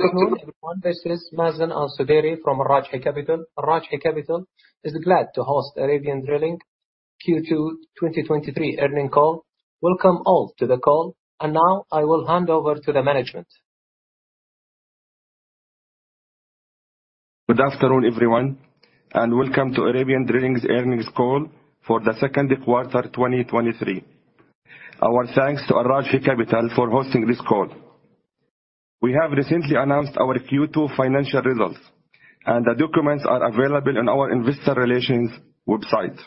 Good afternoon, everyone. This is Mazen AlSudairi from Al Rajhi Capital. Al Rajhi Capital is glad to host Arabian Drilling Q2 2023 earnings call. Welcome all to the call. Now I will hand over to the management. Good afternoon, everyone, and welcome to Arabian Drilling's earnings call for the second quarter, 2023. Our thanks to Rajhi Capital for hosting this call. We have recently announced our Q2 financial results, and the documents are available on our investor relations website.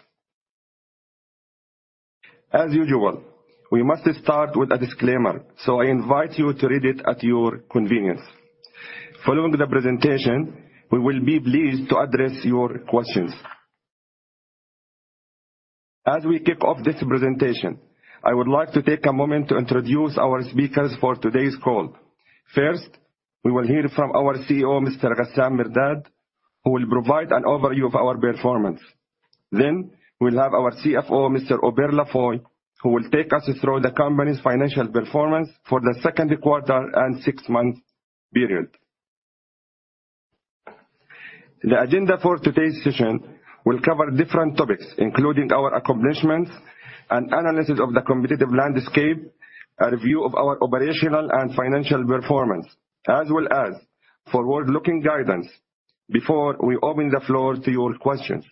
As usual, we must start with a disclaimer, so I invite you to read it at your convenience. Following the presentation, we will be pleased to address your questions. As we kick off this presentation, I would like to take a moment to introduce our speakers for today's call. First, we will hear from our CEO, Mr. Ghassan Mirdad, who will provide an overview of our performance. We'll have our CFO, Mr. Hubert LaFoy, who will take us through the company's financial performance for the second quarter and six-month period. The agenda for today's session will cover different topics, including our accomplishments and analysis of the competitive landscape, a review of our operational and financial performance, as well as forward-looking guidance before we open the floor to your questions.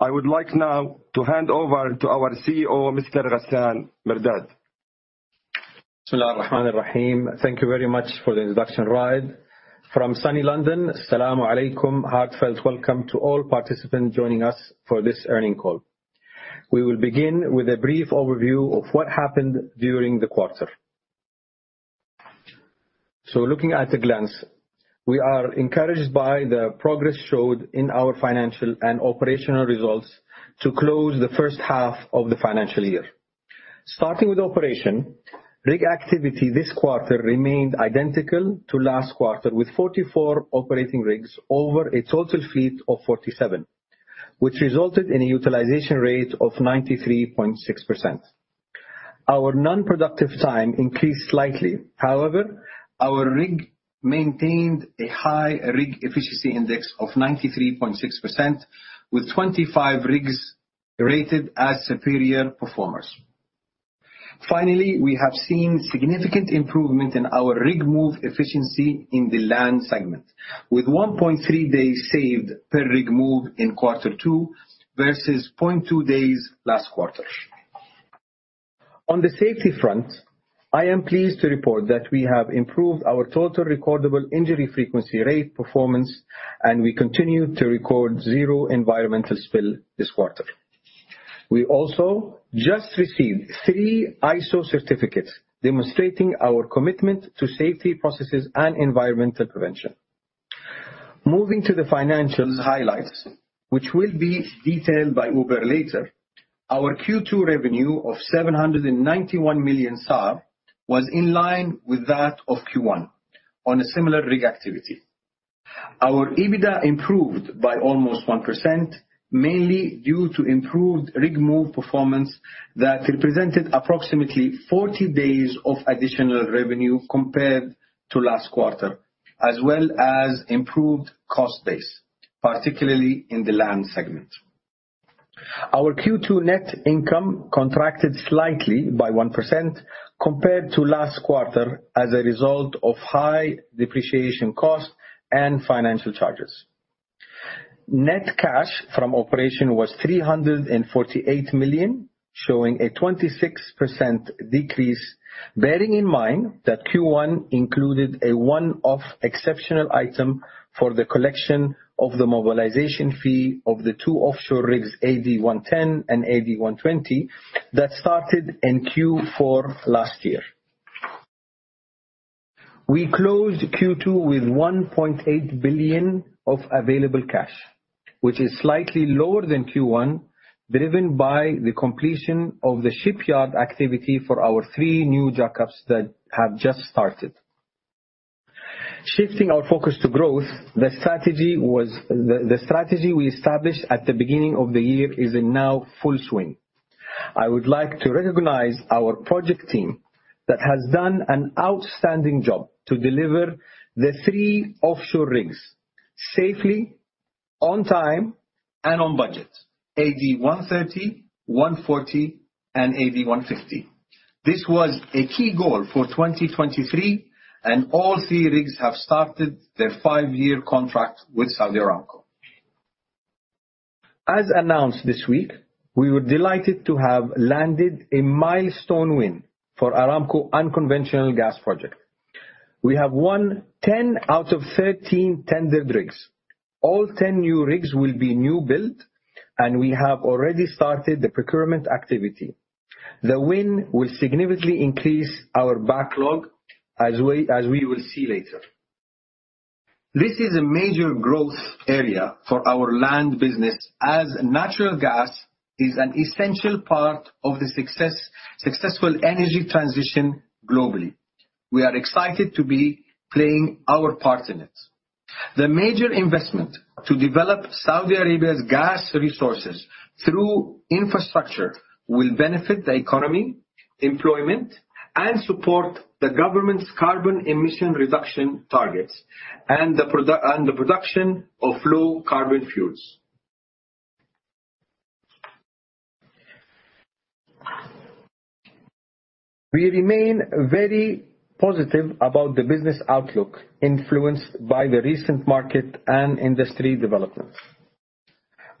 I would like now to hand over to our CEO, Mr. Ghassan Mirdad. Thank you very much for the introduction, Waheed. From sunny London, salaam alaikum. Heartfelt welcome to all participants joining us for this earning call. We will begin with a brief overview of what happened during the quarter. Looking at a glance, we are encouraged by the progress showed in our financial and operational results to close the first half of the financial year. Starting with operation, rig activity this quarter remained identical to last quarter, with 44 operating rigs over a total fleet of 47, which resulted in a utilization rate of 93.6%. Our non-productive time increased slightly. However, our rig maintained a high rig efficiency index of 93.6%, with 25 rigs rated as superior performers. Finally, we have seen significant improvement in our rig move efficiency in the land segment, with 1.3 days saved per rig move in Q2 versus 0.2 days last quarter. On the safety front, I am pleased to report that we have improved our Total Recordable Injury Frequency Rate performance, and we continue to record zero environmental spill this quarter. We also just received 3 ISO certificates demonstrating our commitment to safety processes and environmental prevention. Moving to the financials highlights, which will be detailed by Hubert later, our Q2 revenue of 791 million SAR was in line with that of Q1 on a similar rig activity. Our EBITDA improved by almost 1%, mainly due to improved rig move performance that represented approximately 40 days of additional revenue compared to last quarter, as well as improved cost base, particularly in the land segment. Our Q2 net income contracted slightly by 1% compared to last quarter as a result of high depreciation costs and financial charges. Net cash from operations was 348 million, showing a 26% decrease, bearing in mind that Q1 included a one-off exceptional item for the collection of the mobilization fee of the two offshore rigs, AD-110 and AD-120, that started in Q4 last year. We closed Q2 with 1.8 billion of available cash, which is slightly lower than Q1, driven by the completion of the shipyard activity for our three new jackups that have just started. Shifting our focus to growth, the strategy was-- the strategy we established at the beginning of the year is in now full swing. I would like to recognize our project team that has done an outstanding job to deliver the three offshore rigs safely, on time, and on budget: AD-130, AD-140, and AD-150. This was a key goal for 2023, and all three rigs have started their five-year contract with Saudi Aramco. As announced this week, we were delighted to have landed a milestone win for Aramco Unconventional Gas Project. We have won 10 out of 13 tendered rigs. All 10 new rigs will be new build, and we have already started the procurement activity. The win will significantly increase our backlog, as we will see later. This is a major growth area for our land business, as natural gas is an essential part of the successful energy transition globally. We are excited to be playing our part in it. The major investment to develop Saudi Arabia's gas resources through infrastructure will benefit the economy, employment, and support the government's carbon emission reduction targets, and the production of low carbon fuels. We remain very positive about the business outlook influenced by the recent market and industry developments.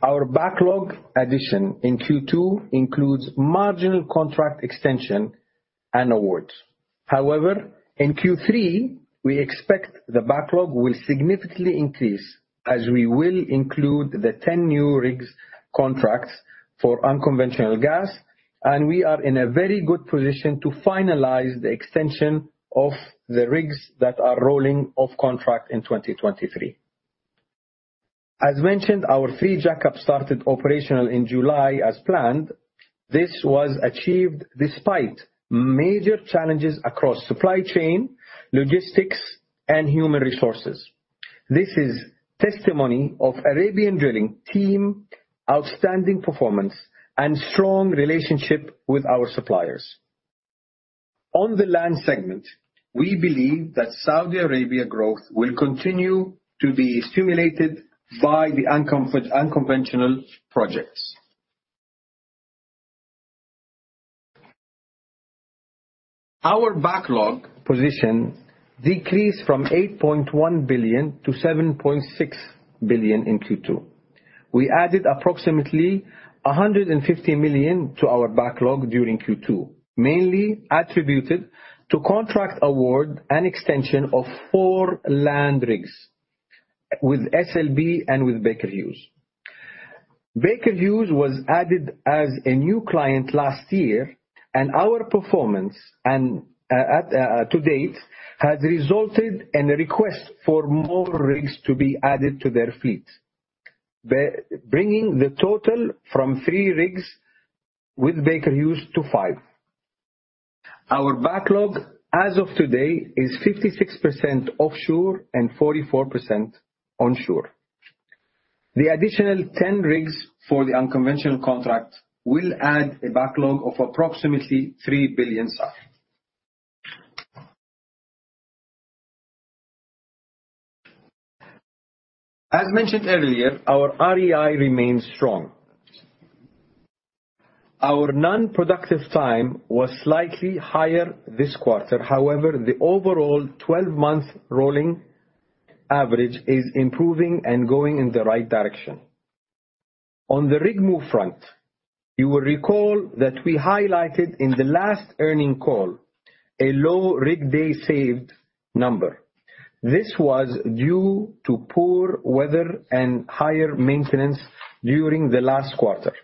Our backlog addition in Q2 includes marginal contract extension and awards. However, in Q3, we expect the backlog will significantly increase, as we will include the 10 new rigs contracts for unconventional gas, and we are in a very good position to finalize the extension of the rigs that are rolling off contract in 2023. As mentioned, our three jackups started operational in July as planned. This was achieved despite major challenges across supply chain, logistics, and human resources. This is testimony of Arabian Drilling team, outstanding performance, and strong relationship with our suppliers. On the land segment, we believe that Saudi Arabia growth will continue to be stimulated by the unconventional projects. Our backlog position decreased from 8.1 billion-7.6 billion in Q2. We added approximately 150 million to our backlog during Q2, mainly attributed to contract award and extension of four land rigs with SLB and with Baker Hughes. Baker Hughes was added as a new client last year, and our performance and, at, to date, has resulted in a request for more rigs to be added to their fleet, bringing the total from three rigs with Baker Hughes to five. Our backlog, as of today, is 56% offshore and 44% onshore. The additional 10 rigs for the unconventional contract will add a backlog of approximately 3 billion. As mentioned earlier, our REI remains strong. Our non-productive time was slightly higher this quarter. However, the overall 12-month rolling average is improving and going in the right direction. On the rig move front, you will recall that we highlighted in the last earning call, a low rig day saved number. This was due to poor weather and higher maintenance during the last quarter.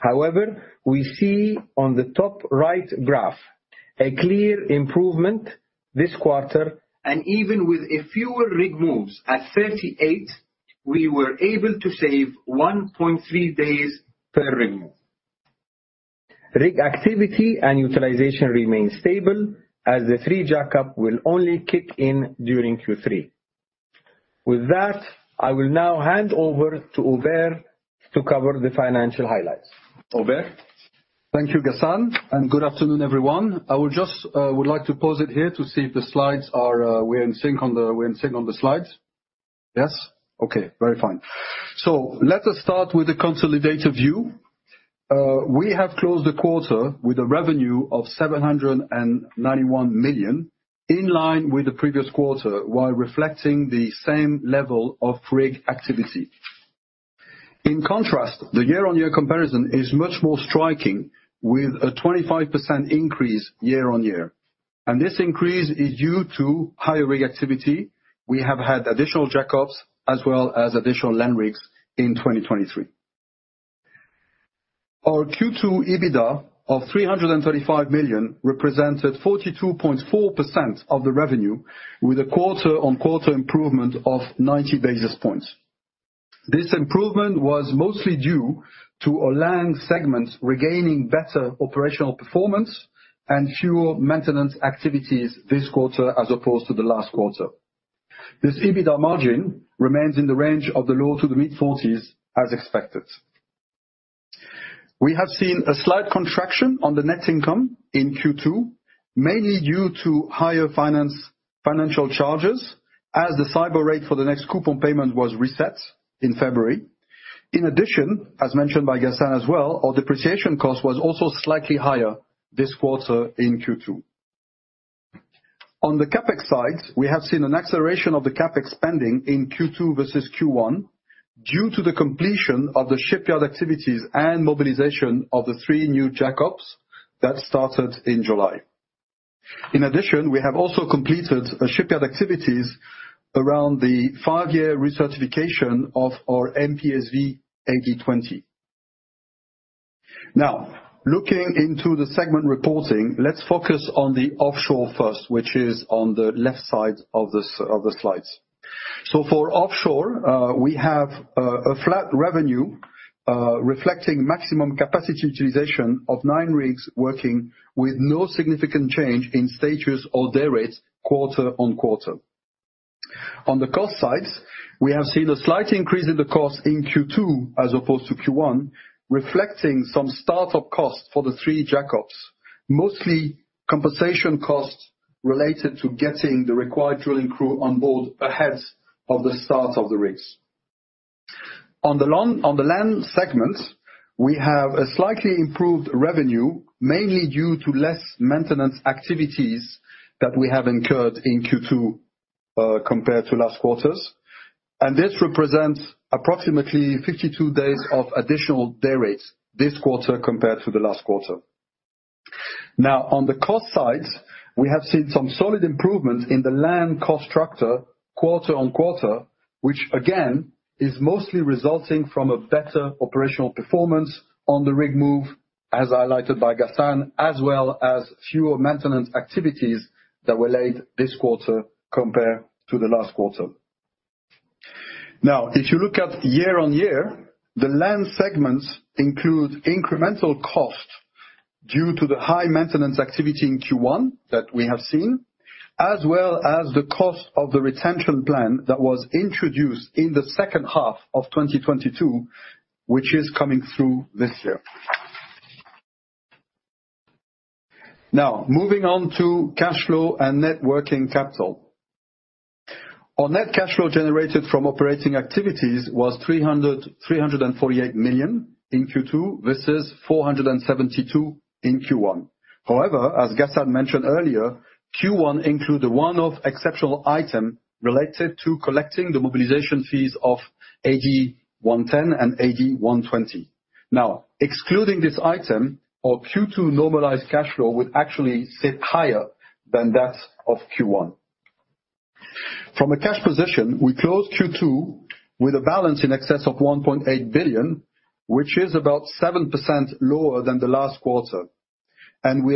However, we see on the top right graph, a clear improvement this quarter, and even with a fewer rig moves at 38, we were able to save 1.3 days per rig move. Rig activity and utilization remains stable, as the three jackup will only kick in during Q3. With that, I will now hand over to Hubert to cover the financial highlights. Hubert? Thank you, Ghassan, and good afternoon, everyone. I will just would like to pause it here to see if the slides are, we're in sync on the we're in sync on the slides. Yes? Okay, very fine. Let us start with the consolidated view. We have closed the quarter with a revenue of 791 million, in line with the previous quarter, while reflecting the same level of rig activity. In contrast, the year-on-year comparison is much more striking, with a 25% increase year-on-year. This increase is due to higher rig activity. We have had additional jackups as well as additional land rigs in 2023. Our Q2 EBITDA of 335 million represented 42.4% of the revenue, with a quarter-on-quarter improvement of 90 basis points. This improvement was mostly due to our land segment regaining better operational performance and fewer maintenance activities this quarter as opposed to the last quarter. This EBITDA margin remains in the range of the low to the mid-40s, as expected. We have seen a slight contraction on the net income in Q2, mainly due to higher financial charges, as the SAIBOR rate for the next coupon payment was reset in February. In addition, as mentioned by Ghassan as well, our depreciation costs was also slightly higher this quarter in Q2. On the CapEx side, we have seen an acceleration of the CapEx spending in Q2 versus Q1 due to the completion of the shipyard activities and mobilization of the three new jackups that started in July. In addition, we have also completed a shipyard activities around the five-year recertification of our MPSV AD 20. Now, looking into the segment reporting, let's focus on the offshore first, which is on the left side of the slides. For offshore, we have a flat revenue, reflecting maximum capacity utilization of nine rigs working with no significant change in status or day rates quarter-on-quarter. On the cost side, we have seen a slight increase in the cost in Q2 as opposed to Q1, reflecting some start-up costs for the three jackups, mostly compensation costs related to getting the required drilling crew on board ahead of the start of the rigs. On the land segment, we have a slightly improved revenue, mainly due to less maintenance activities that we have incurred in Q2, compared to last quarters. This represents approximately 52 days of additional day rates this quarter compared to the last quarter. On the cost side, we have seen some solid improvements in the land cost structure quarter-on-quarter, which again, is mostly resulting from a better operational performance on the rig move, as highlighted by Ghassan, as well as fewer maintenance activities that were laid this quarter compared to the last quarter. If you look at year-on-year, the land segments include incremental costs due to the high maintenance activity in Q1 that we have seen, as well as the cost of the retention plan that was introduced in the second half of 2022, which is coming through this year. Moving on to cash flow and net working capital. Our net cash flow generated from operating activities was 348 million in Q2 versus 472 million in Q1. However, as Ghassan mentioned earlier, Q1 included a one-off exceptional item related to collecting the mobilization fees of AD-110 and AD-120. Now, excluding this item, our Q2 normalized cash flow would actually sit higher than that of Q1. We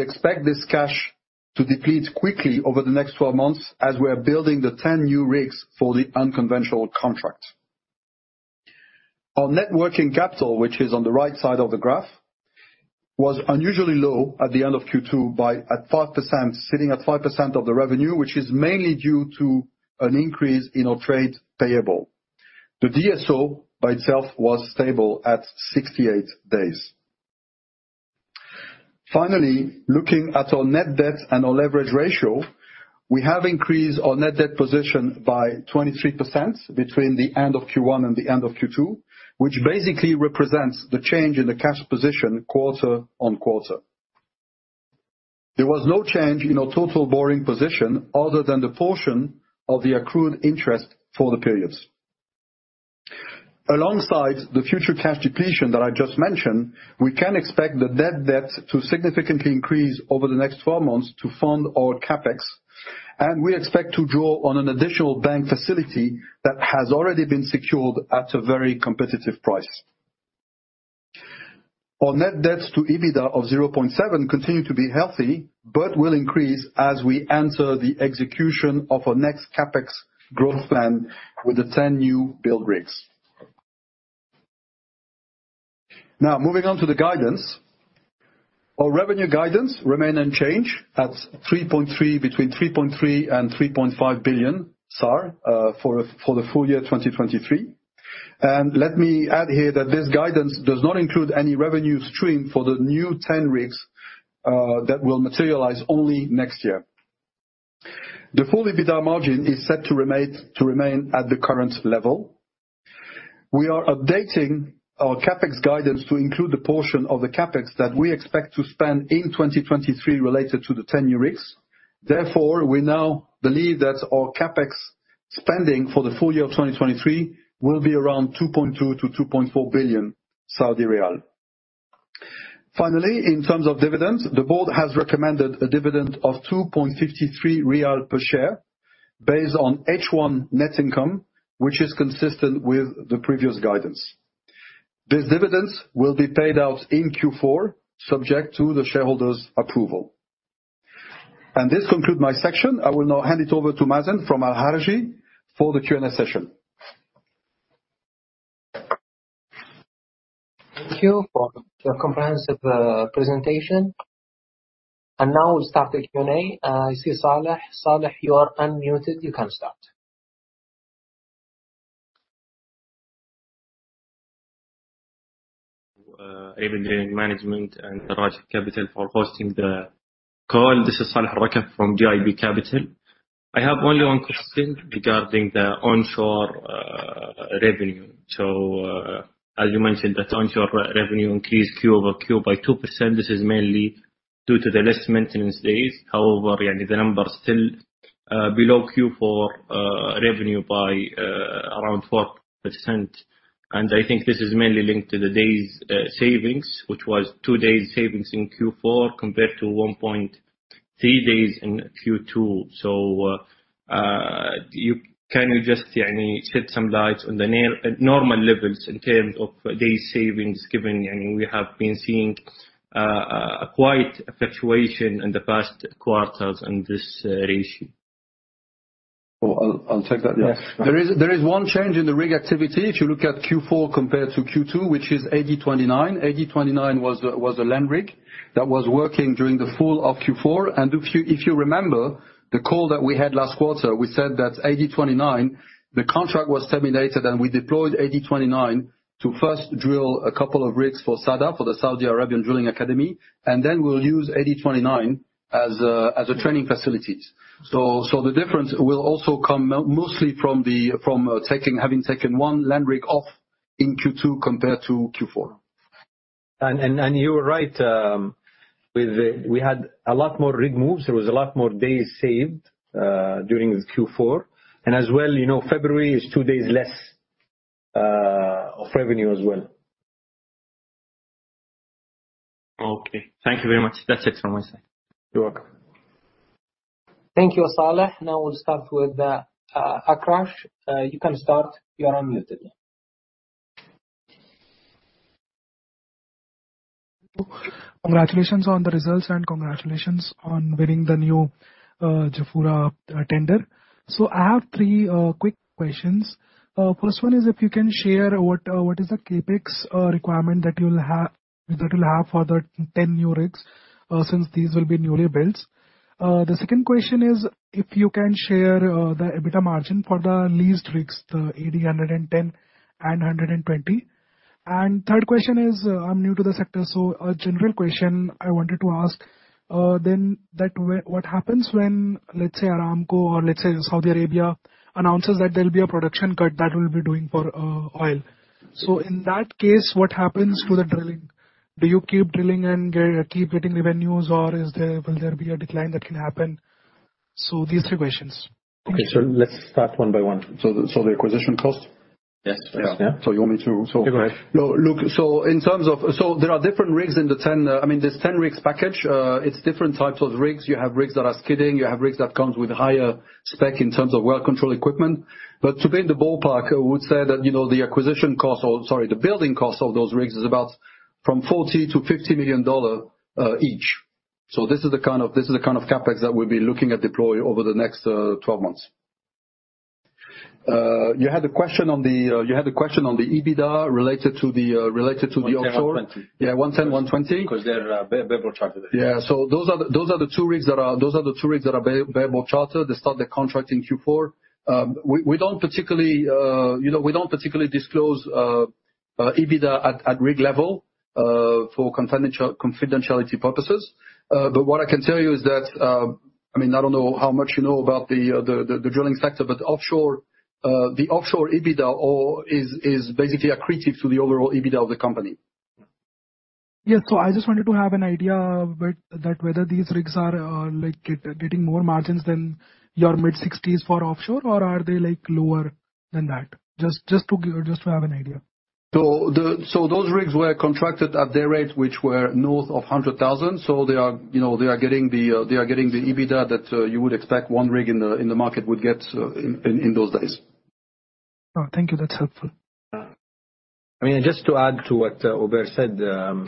expect this cash to deplete quickly over the next 12 months as we are building the 10 new rigs for the unconventional contract. Our net working capital, which is on the right side of the graph, was unusually low at the end of Q2 at 5%, sitting at 5% of the revenue, which is mainly due to an increase in our trade payable. The DSO by itself was stable at 68 days. Finally, looking at our net debt and our leverage ratio, we have increased our net debt position by 23% between the end of Q1 and the end of Q2, which basically represents the change in the cash position quarter on quarter. There was no change in our total borrowing position other than the portion of the accrued interest for the periods. Alongside the future cash depletion that I just mentioned, we can expect the net debt to significantly increase over the next 12 months to fund our CapEx, and we expect to draw on an additional bank facility that has already been secured at a very competitive price. Our net debts to EBITDA of 0.7 continue to be healthy, but will increase as we enter the execution of our next CapEx growth plan with the 10 new build rigs. Now, moving on to the guidance. Our revenue guidance remain unchanged at 3.3, between 3.3 billion and 3.5 billion SAR for the full year 2023. Let me add here that this guidance does not include any revenue stream for the new 10 rigs that will materialize only next year. The full EBITDA margin is set to remain at the current level. We are updating our CapEx guidance to include the portion of the CapEx that we expect to spend in 2023 related to the 10 new rigs. Therefore, we now believe that our CapEx spending for the full year of 2023 will be around 2.2 billion-2.4 billion Saudi riyal. Finally, in terms of dividends, the board has recommended a dividend of SAR 2.53 per share, based on H1 net income, which is consistent with the previous guidance. This dividends will be paid out in Q4, subject to the shareholders' approval. This concludes my section. I will now hand it over to Mazen from Al Rajhi Capital for the Q&A session. Thank you for the comprehensive, presentation. Now we start the Q&A. I see Saleh. Saleh, you are unmuted, you can start. Even during management and capital for hosting the call. This is Saleh Alrakaf from GIB Capital. I have only one question regarding the onshore revenue. So, as you mentioned, that onshore revenue increased Q over Q by 2%. This is mainly due to the less maintenance days. However, the number is still below Q4 revenue by around 4%. And I think this is mainly linked to the days savings, which was 2 days savings in Q4 compared to 1.3 days in Q2. So, Can you just shed some light on the near, normal levels in terms of days savings, given, I mean, we have been seeing a quite fluctuation in the past quarters in this ratio? Oh, I'll, I'll take that, yes. There is, there is one change in the rig activity. If you look at Q4 compared to Q2, which is AD 29. AD 29 was a, was a land rig that was working during the full of Q4. If you, if you remember the call that we had last quarter, we said that AD 29, the contract was terminated, and we deployed AD 29 to first drill a couple of rigs for SADA, for the Saudi Arabian Drilling Academy, and then we'll use AD 29 as a, as a training facilities. The difference will also come mostly from the, from, having taken 1 land rig off in Q2 compared to Q4. You were right. We had a lot more rig moves. There was a lot more days saved during the Q4. As well, you know, February is two days less of revenue as well. Okay, thank you very much. That's it from my side. You're welcome. Thank you, Saleh. Now we'll start with Akarsh. You can start. You are unmuted. Congratulations on the results, congratulations on winning the new Jafurah tender. I have three quick questions. First one is, if you can share what is the CapEx requirement that you'll have for the 10 new rigs, since these will be newly built? The second question is, if you can share the EBITDA margin for the leased rigs, the AD-110 and AD-120. Third question is, I'm new to the sector, a general question I wanted to ask, what happens when, let's say Aramco or let's say Saudi Arabia announces that there'll be a production cut that we'll be doing for oil? In that case, what happens to the drilling? Do you keep drilling and get, keep getting revenues, or is there-- will there be a decline that can happen? These three questions. Okay, let's start one by one. The acquisition cost? Yes. Yeah. you want me to- Go ahead. Look, look. In terms of there are different rigs in the 10, I mean, this 10 rigs package, it's different types of rigs. You have rigs that are skidding. You have rigs that comes with higher spec in terms of well control equipment. To be in the ballpark, I would say that, you know, the acquisition cost or, sorry, the building cost of those rigs is about from $40 million-$50 million each. This is the kind of, this is the kind of CapEx that we'll be looking at deploy over the next 12 months. You had a question on the, you had a question on the EBITDA related to the, related to the offshore. 1/10/2020. Yeah, 110, 20. 'Cause they're, bareboat charter. Yeah. Those are the, those are the two rigs that are... Those are the two rigs that are bareboat charter. They start the contract in Q4. We, we don't particularly, you know, we don't particularly disclose EBITDA at, at rig level for confidential, confidentiality purposes. What I can tell you is that... I mean, I don't know how much you know about the, the, the drilling sector, but offshore, the offshore EBITDA is, is basically accretive to the overall EBITDA of the company. Yeah. I just wanted to have an idea, but that whether these rigs are, like, getting more margins than your mid-60s for offshore, or are they, like, lower than that? Just to give, just to have an idea. Those rigs were contracted at their rate, which were north of 100,000. They are, you know, they are getting the EBITDA that you would expect one rig in the market would get in those days. Oh, thank you. That's helpful. I mean, just to add to what Hubert said, the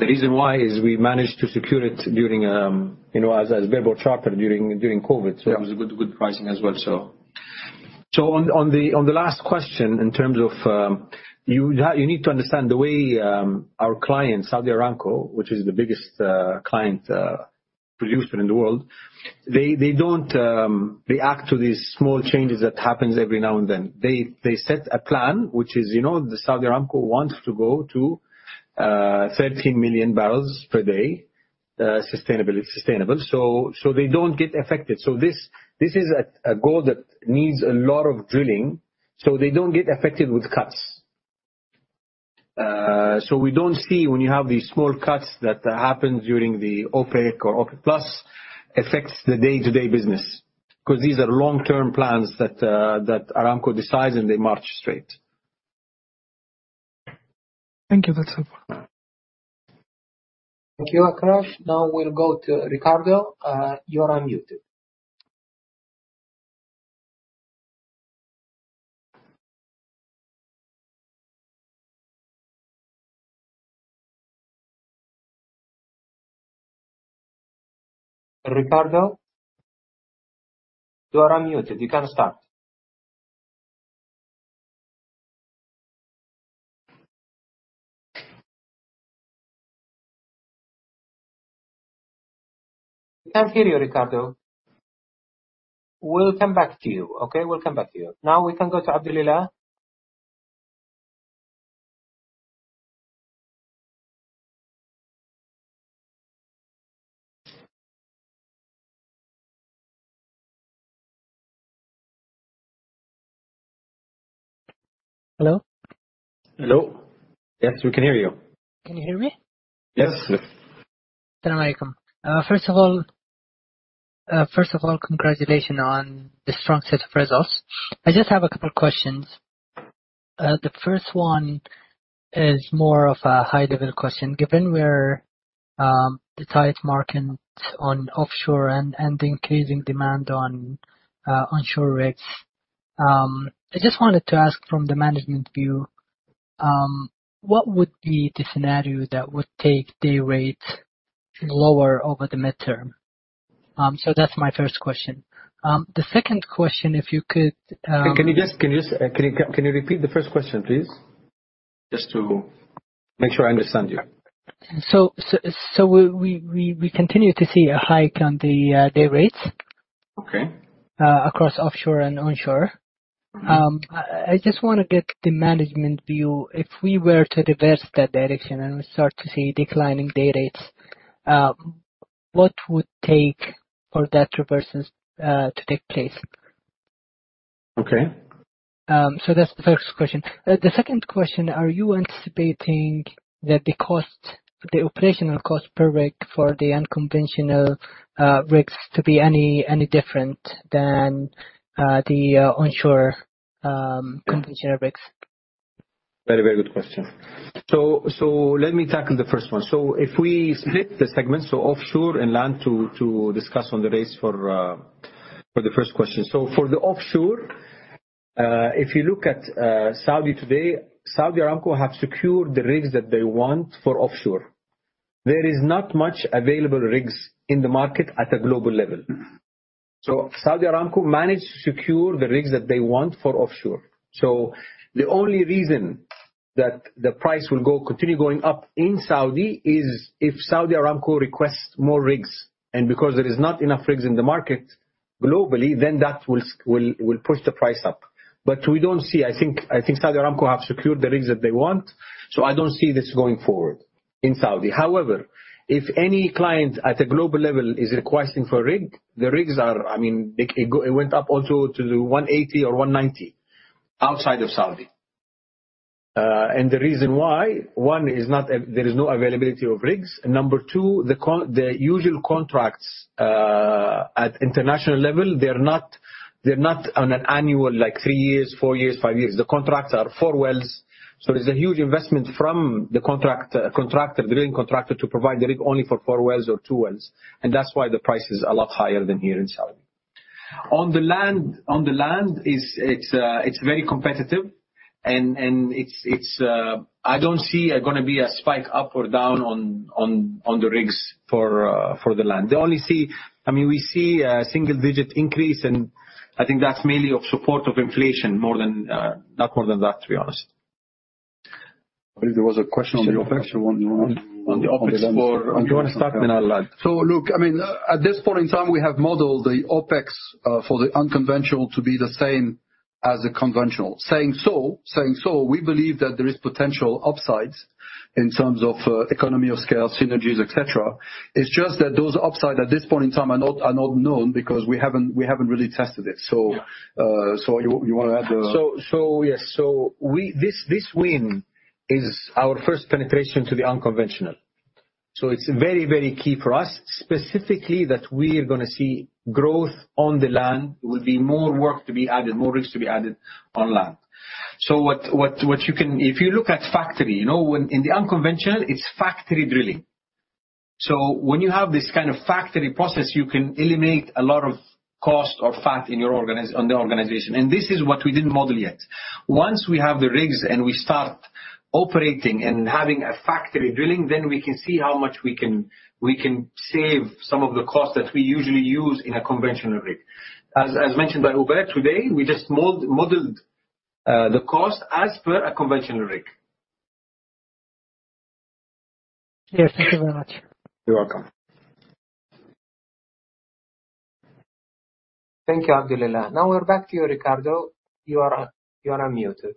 reason why is we managed to secure it during, you know, as, as bareboat charter during, during COVID. Yeah. It was a good, good pricing as well. On, on the, on the last question, in terms of, you need to understand the way our client, Saudi Aramco, which is the biggest client, producer in the world, they don't react to these small changes that happens every now and then. They set a plan, which is, you know, the Saudi Aramco wants to go to 13 million barrels per day, sustainability, sustainable. They don't get affected. This, this is a goal that needs a lot of drilling, so they don't get affected with cuts. We don't see when you have these small cuts that happen during the OPEC or OPEC+ affects the day-to-day business, 'cause these are long-term plans that Aramco decides, and they march straight. Thank you. That's helpful. Thank you, Akarsh. Now we'll go to Ricardo. You are unmuted. Ricardo? You are unmuted. You can start. We can't hear you, Ricardo. We'll come back to you, okay? We'll come back to you. Now we can go to Abdellilah. Hello? Hello. Yes, we can hear you. Can you hear me? Yes. Yes. Salaam alaikum. First of all, first of all, congratulation on the strong set of results. I just have a couple questions. The first one is more of a high-level question. Given where the tight market on offshore and, and the increasing demand on onshore rigs-... I just wanted to ask from the management view, what would be the scenario that would take day rates lower over the midterm? So that's my first question. The second question, if you could- Can you repeat the first question, please? Just to make sure I understand you. We continue to see a hike on the day rates. Okay. across offshore and onshore. I, I just want to get the management view. If we were to reverse that direction and we start to see declining day rates, what would take for that reversal to take place? Okay. That's the first question. The second question, are you anticipating that the cost, the operational cost per rig for the unconventional rigs to be any different than the onshore conventional rigs? Very, very good question. Let me tackle the first one. If we split the segment, offshore and land, to discuss on the rates for, for the first question. For the offshore, if you look at, Saudi today, Saudi Aramco have secured the rigs that they want for offshore. There is not much available rigs in the market at a global level. Saudi Aramco managed to secure the rigs that they want for offshore. The only reason that the price will go continue going up in Saudi, is if Saudi Aramco requests more rigs, and because there is not enough rigs in the market globally, then that will push the price up. We don't see. I think, I think Saudi Aramco have secured the rigs that they want, so I don't see this going forward in Saudi. However, if any client at a global level is requesting for a rig, the rigs are, it went up also to $180 or $190 outside of Saudi. The reason why, one, is there is no availability of rigs. Number two, the usual contracts, at international level, they're not, they're not on an annual, like three years, four years, five years. The contracts are four wells. There's a huge investment from the contractor, contractor, the drilling contractor, to provide the rig only for four wells or two wells. That's why the price is a lot higher than here in Saudi. On the land, on the land, it's, it's, it's very competitive and, and it's, it's, I don't see there gonna be a spike up or down on, on, on the rigs for, for the land. I mean, we see a single digit increase, and I think that's mainly of support of inflation more than, not more than that, to be honest. I think there was a question on the OpEx or on the OpEx for- Do you want to start, then I'll add? Look, I mean, at this point in time, we have modeled the OpEx for the unconventional to be the same as the conventional. Saying so, saying so, we believe that there is potential upsides in terms of economy of scale, synergies, et cetera. It's just that those upside at this point in time are not, are not known because we haven't, we haven't really tested it. You, you want to add? Yes. This win is our first penetration to the unconventional. It's very, very key for us, specifically, that we are gonna see growth on the land. There will be more work to be added, more rigs to be added on land. If you look at factory, you know, when in the unconventional, it's factory drilling. When you have this kind of factory process, you can eliminate a lot of cost or fat on the organization. This is what we didn't model yet. Once we have the rigs, and we start operating and having a factory drilling, then we can see how much we can save some of the costs that we usually use in a conventional rig. As mentioned by Hubert, today, we just modeled the cost as per a conventional rig. Yes, thank you very much. You're welcome. Thank you, Abdelillah. Now we're back to you, Ricardo. You are unmuted.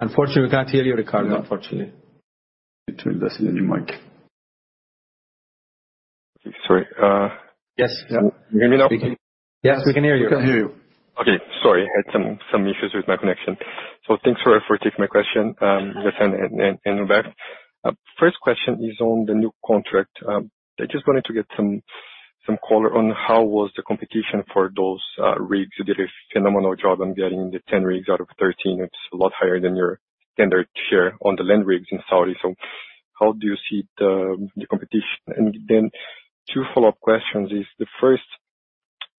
Unfortunately, we can't hear you, Ricardo. Between the new mic. Sorry. Yes. Can you hear me now? Yes, we can hear you. We can hear you. Okay. Sorry, I had some, some issues with my connection. Thanks for, for taking my question, Ghassan and Hubert. First question is on the new contract. I just wanted to get some, some color on how was the competition for those rigs? You did a phenomenal job on getting the 10 rigs out of 13. It's a lot higher than your standard share on the land rigs in Saudi. How do you see the, the competition? Two follow-up questions is, the first,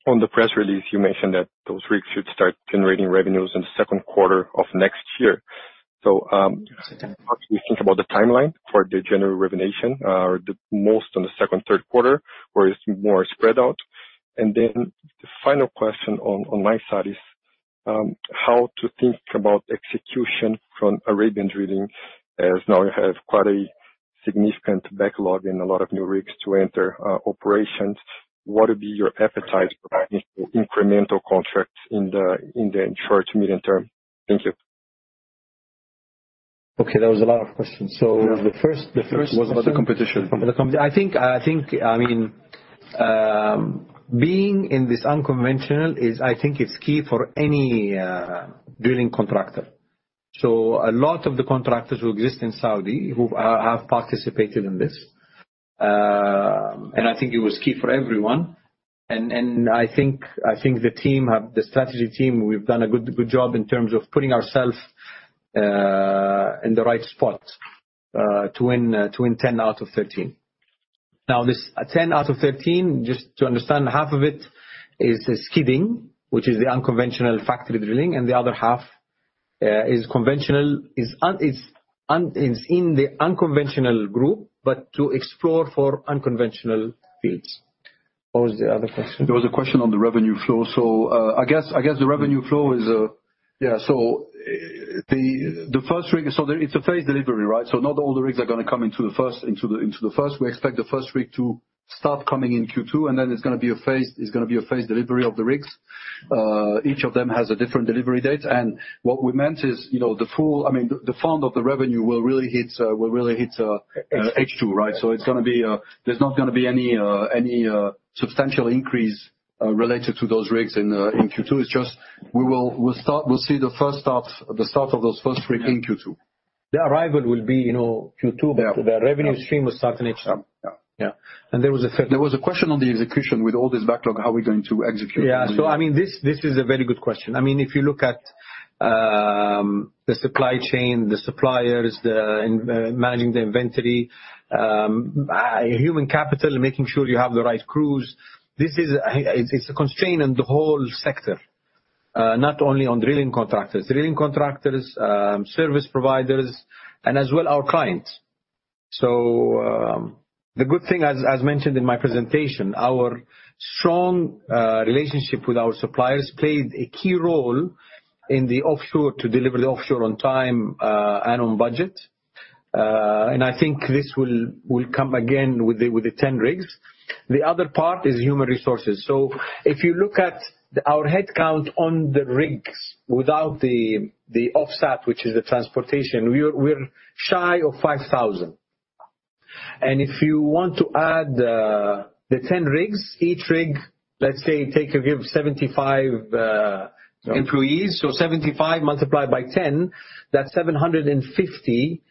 on the press release, you mentioned that those rigs should start generating revenues in the second quarter of next year. How do you think about the timeline for the general revelation, or the most on the second, third quarter, or is it more spread out? The final question on, on my side is, how to think about execution from Arabian Drilling Company, as now you have quite a significant backlog and a lot of new rigs to enter, operations. What would be your appetite for incremental contracts in the, in the short to medium term? Thank you. Okay, that was a lot of questions. Yeah. The first. Was about the competition. I think, I mean, being in this unconventional is, I think it's key for any drilling contractor. So a lot of the contractors who exist in Saudi, who have participated in this. I think it was key for everyone. And I think the strategy team, we've done a good job in terms of putting ourself in the right spot to win to win 10 out of 13. Now, this 10 out of 13, just to understand, half of it is skidding, which is the unconventional factory drilling, and the other half is conventional, is in the unconventional group, but to explore for unconventional fields. What was the other question? There was a question on the revenue flow. I guess, I guess the revenue flow is... The, the first rig, there it's a phase delivery, right? Not all the rigs are gonna come into the first. We expect the first rig to start coming in Q2, there's gonna be a phase, it's gonna be a phase delivery of the rigs. Each of them has a different delivery date. What we meant is, you know, the full... I mean, the, the fund of the revenue will really hit, will really hit- H2. -H2, right? There's not gonna be any, any, substantial increase, related to those rigs in Q2. It's just we'll start, we'll see the first start, the start of those first rig in Q2. The arrival will be, you know, Q2- Yeah. The revenue stream will start in H2. Yeah. Yeah. there was a third- There was a question on the execution. With all this backlog, how are we going to execute? Yeah. I mean, this, this is a very good question. I mean, if you look at the supply chain, the suppliers, the, and managing the inventory, human capital, making sure you have the right crews, this is, it's, it's a constraint on the whole sector, not only on drilling contractors. Drilling contractors, service providers, and as well, our clients. The good thing, as, as mentioned in my presentation, our strong relationship with our suppliers played a key role in the offshore to deliver the offshore on time and on budget. I think this will, will come again with the, with the 10 rigs. The other part is human resources. If you look at our headcount on the rigs without the, the offset, which is the transportation, we are, we're shy of 5,000. If you want to add, the 10 rigs, each rig, let's say, take or give 75 employees. 75 multiplied by 10, that's 750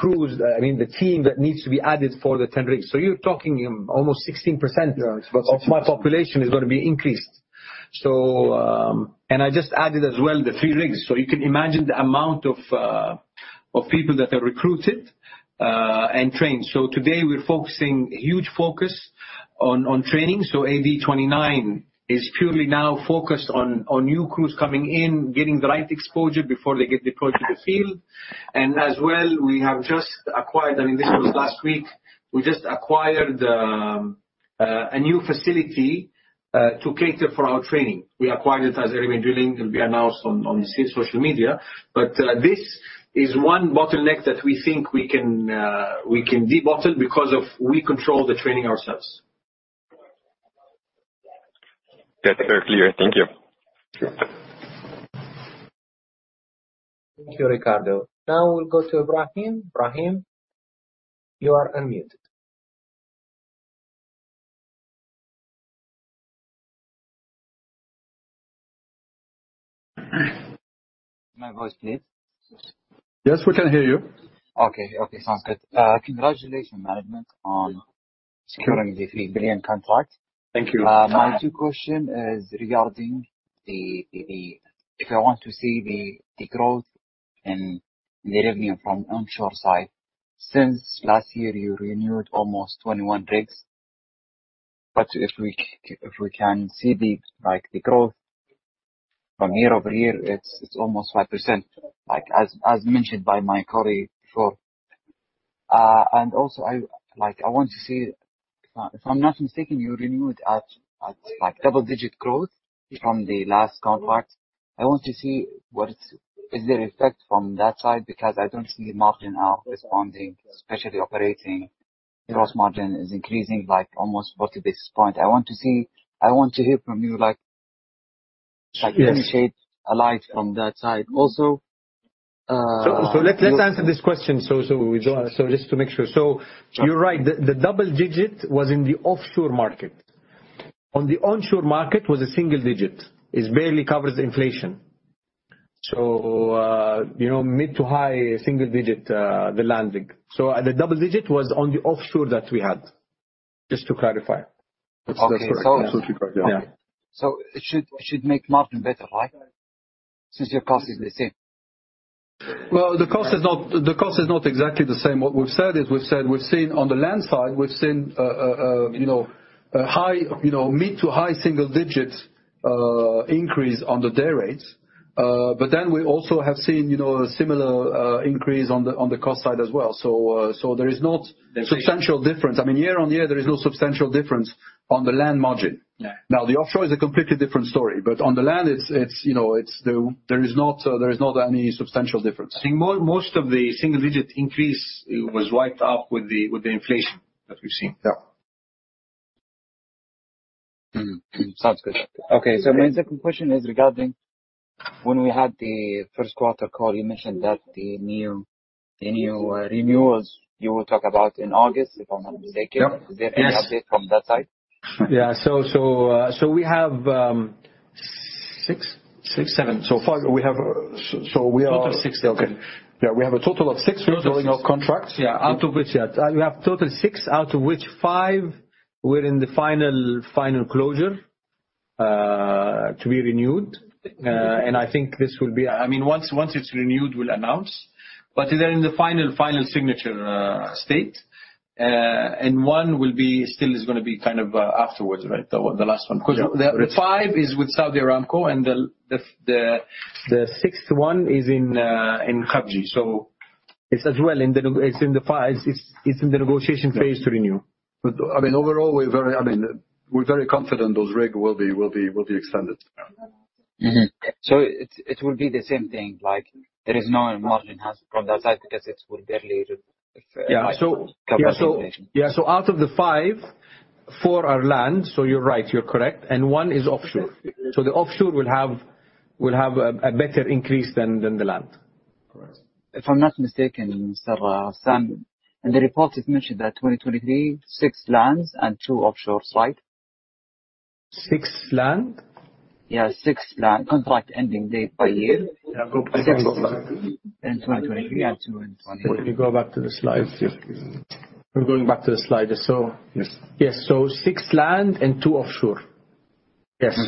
crews, I mean, the team that needs to be added for the 10 rigs. You're talking almost 16%. Yeah. -of my population is gonna be increased. And I just added as well the three rigs. You can imagine the amount of people that are recruited and trained. Today, we're focusing huge focus on training. AD 29 is purely now focused on new crews coming in, getting the right exposure before they get deployed to the field. As well, we have just acquired, I mean, this was last week, we just acquired a new facility to cater for our training. We acquired it as Arabian Drilling, it'll be announced on social media. This is one bottleneck that we think we can debottle because of we control the training ourselves. That's very clear. Thank you. Thank you, Ricardo. Now we'll go to Ibrahim. Ibrahim, you are unmuted. My voice clear? Yes, we can hear you. Okay. Okay, sounds good. Congratulations, management, on securing the 3 billion contract. Thank you. My two question is regarding the. If I want to see the growth and the revenue from onshore side. Since last year, you renewed almost 21 rigs, if we can see the growth from year-over-year, it's almost 5%, as mentioned by my colleague before. Also I want to see. If I'm not mistaken, you renewed at double-digit growth from the last contract. I want to see what's, is there effect from that side? I don't see margin are responding, especially operating gross margin is increasing by almost 40 basis points. I want to see. I want to hear from you. Yes. Like, can you shed a light from that side? Let's answer this question. We don't-- Just to make sure. You're right, the double digit was in the offshore market. On the onshore market, was a single digit. It barely covers the inflation. You know, mid to high single digit, the landing. The double digit was on the offshore that we had, just to clarify. That's correct. Okay. Absolutely correct, yeah. It should make margin better, right? Since your cost is the same. Well, the cost is not, the cost is not exactly the same. What we've said is, we've said we've seen on the land side, we've seen, you know, a high, you know, mid to high single-digit increase on the day rates. We also have seen, you know, a similar increase on the, on the cost side as well. There is not. Yes. substantial difference. I mean, year on year, there is no substantial difference on the land margin. Yeah. The offshore is a completely different story, but on the land, it's, you know, it's the, there is not any substantial difference. I think more, most of the single digit increase was wiped out with the, with the inflation that we've seen. Yeah. Mm. Sounds good. Okay, my second question is regarding when we had the Q1 call, you mentioned that the new, the new, renewals, you will talk about in August, if I'm not mistaken. Yep. Yes. Is there any update from that side? Yeah. We have,... six, six, seven. Five, we have-- we are- Total of six, okay. Yeah, we have a total of six rig drilling of contracts. Yeah, out of which, yeah. We have total six, out of which five were in the final, final closure to be renewed. I think this will be... I mean, once, once it's renewed, we'll announce. They're in the final, final signature state. One will be-- still is gonna be kind of afterwards, right? The one, the last one. Yeah. The, the two is with Saudi Aramco, and the sixth one is in Khafji. It's as well, It's in the two, it's, it's in the negotiation phase to renew. I mean, overall, I mean, we're very confident those rig will be extended. Mm-hmm. it, it will be the same thing, like there is no margin from that side because it will be related to- Yeah. -compensation. Yeah. Out of the five, four are land. You're right. You're correct, and 1 is offshore. The offshore will have, will have a, a better increase than, than the land. Correct. If I'm not mistaken, Sir, San. In the report, it mentioned that 2023, six lands and two offshore site. Six land? Yeah, six land. Contract ending date by year. In 2023 and two in 20-. Let me go back to the slide. We're going back to the slide. Yes. Yes, six land and two offshore. Yes.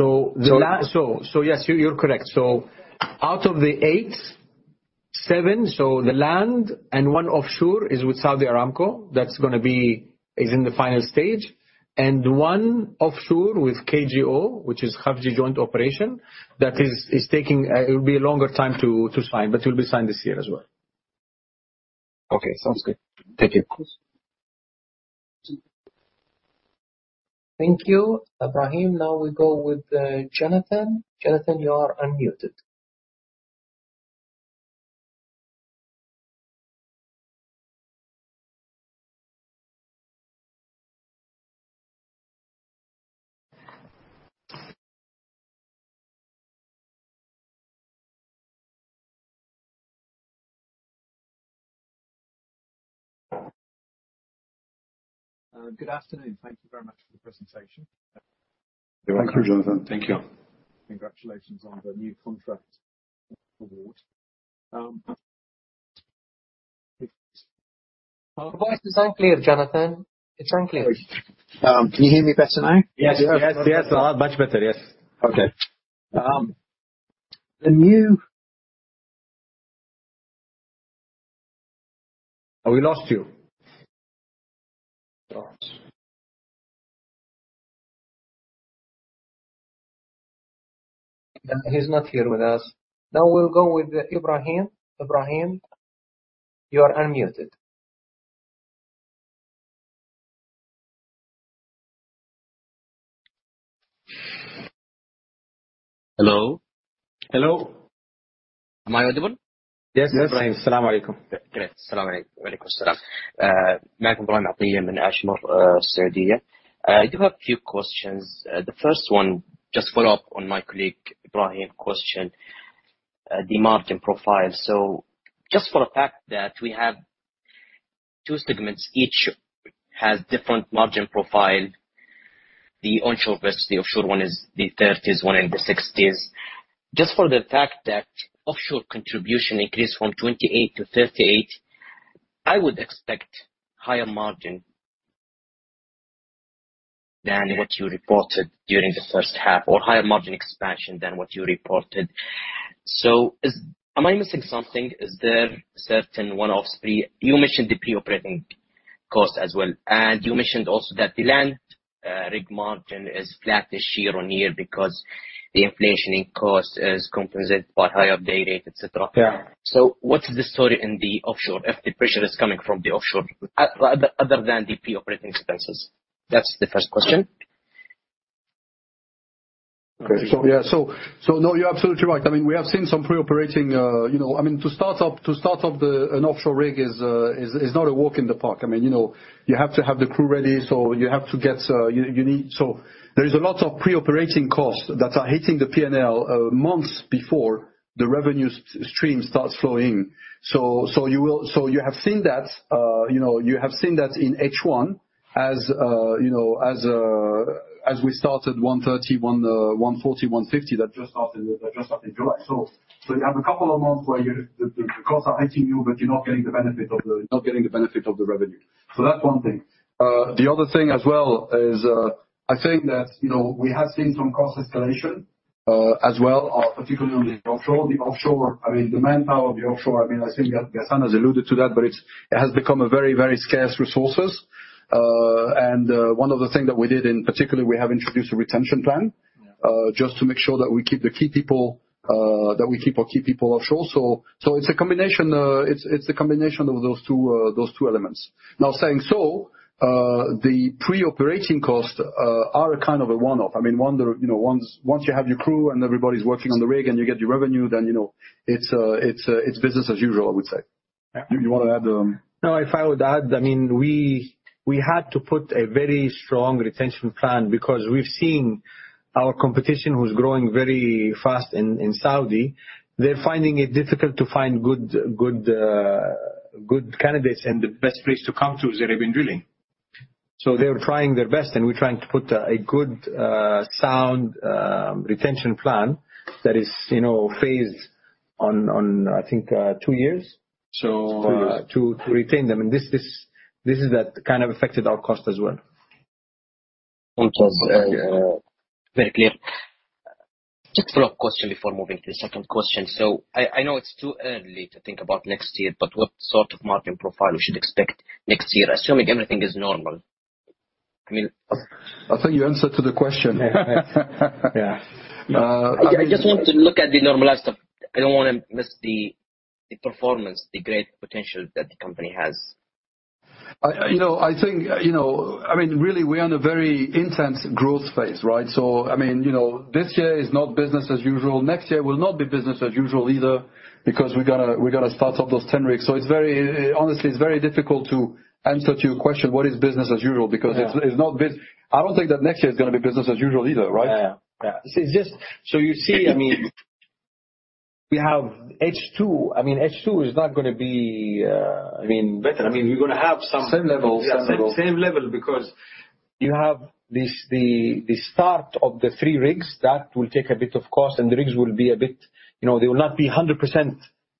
Mm-hmm. Yes, you're correct. Out of the eight, seven, the land and one offshore is with Saudi Aramco. That's gonna be in the final stage. One offshore with KJO, which is Khafji Joint Operation, that is taking a longer time to sign, but will be signed this year as well. Okay, sounds good. Thank you. Of course. Thank you, Ibrahim. Now we go with, Jonathan. Jonathan, you are unmuted. Good afternoon. Thank you very much for the presentation. You're welcome, Jonathan. Thank you. Congratulations on the new contract award. Your voice is unclear, Jonathan. It's unclear. Can you hear me better now? Yes. Yes. Yes, much better. Yes. Okay. We lost you. He's not here with us. We'll go with Ibrahim. Ibrahim, you are unmuted. Hello? Hello. Am I audible? Yes, Ibrahim. Salaam alaikum. Great. As-salamu alay- wa alaikum as-salam. I'm Ibrahim Atiyah from Ashmore, Saudia. I do have a few questions. The first one, just follow up on my colleague, Ibrahim's question, the margin profile. So just for the fact that we have two segments, each has different margin profile. The onshore versus the offshore one is the 30s, one in the 60s. Just for the fact that offshore contribution increased from 28%-38%, I would expect higher margin than what you reported during the first half, or higher margin expansion than what you reported. So am I missing something? Is there certain one-off fee? You mentioned the pre-operating cost as well, and you mentioned also that the land rig margin is flat this year-on-year because the inflation in cost is compensated by higher day rate, et cetera. Yeah. What is the story in the offshore, if the pressure is coming from the offshore, other, other than the pre-operating expenses? That's the first question. Okay. Yeah. No, you're absolutely right. I mean, we have seen some pre-operating. You know, I mean, to start up, to start up the, an offshore rig is, is not a walk in the park. I mean, you know, you have to have the crew ready, so you have to get, you need. There is a lot of pre-operating costs that are hitting the P&L months before the revenue stream starts flowing. You have seen that, you know, you have seen that in H1 as, you know, as we started 130, 140, 150, that just started, that just started in July. You have a couple of months where you. The costs are hitting you, but you're not getting the benefit of the revenue. That's one thing. The other thing as well is, I think that, you know, we have seen some cost escalation as well, particularly on the offshore. The offshore, I mean, the manpower of the offshore, I mean, I think Ghassan has alluded to that, but it has become a very, very scarce resources. One of the things that we did in particular, we have introduced a retention plan. Yeah. just to make sure that we keep the key people, that we keep our key people offshore. It's a combination, it's, it's a combination of those two, those two elements. Saying so, the pre-operating costs, are a kind of a one-off. I mean, you know, once, once you have your crew and everybody's working on the rig and you get your revenue, then, you know, it's, it's, it's business as usual, I would say. Yeah. You want to add... No, if I would add, I mean, we, we had to put a very strong retention plan because we've seen our competition, who's growing very fast in, in Saudi. They're finding it difficult to find good, good candidates, and the best place to come to is Arabian Drilling. They're trying their best, and we're trying to put a good, sound retention plan that is, you know, phased on, on, I think, two years. So- To retain them, this is that kind of affected our cost as well. Very clear. Just a follow-up question before moving to the second question. I, I know it's too early to think about next year, but what sort of market profile we should expect next year, assuming everything is normal? I mean... I think you answered to the question. Yeah. I just want to look at the normalized stuff. I don't wanna miss the, the performance, the great potential that the company has. I, you know, I think, you know, I mean, really, we are in a very intense growth phase, right? I mean, you know, this year is not business as usual. Next year will not be business as usual either, because we're gonna start up those 10 rigs. It's very... Honestly, it's very difficult to answer to your question, what is business as usual? Yeah. Because it's, it's not I don't think that next year is gonna be business as usual either, right? Yeah. Yeah. It's just... You see, I mean, we have H2. I mean, H2 is not gonna be, I mean, better. I mean, we're gonna have some- Same level. Yeah, same level, because you have this, the, the start of the three rigs, that will take a bit of cost, and the rigs will be a bit, you know, they will not be 100%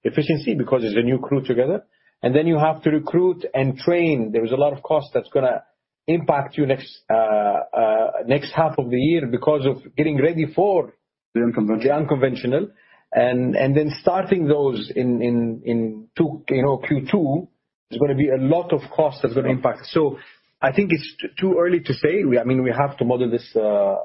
efficiency because it's a new crew together. Then you have to recruit and train. There is a lot of cost that's gonna impact you next half of the year because of getting ready for- The unconventional. The unconventional, and then starting those in two, you know, Q2, there's gonna be a lot of costs that's gonna impact. I think it's too early to say. We, I mean, we have to model this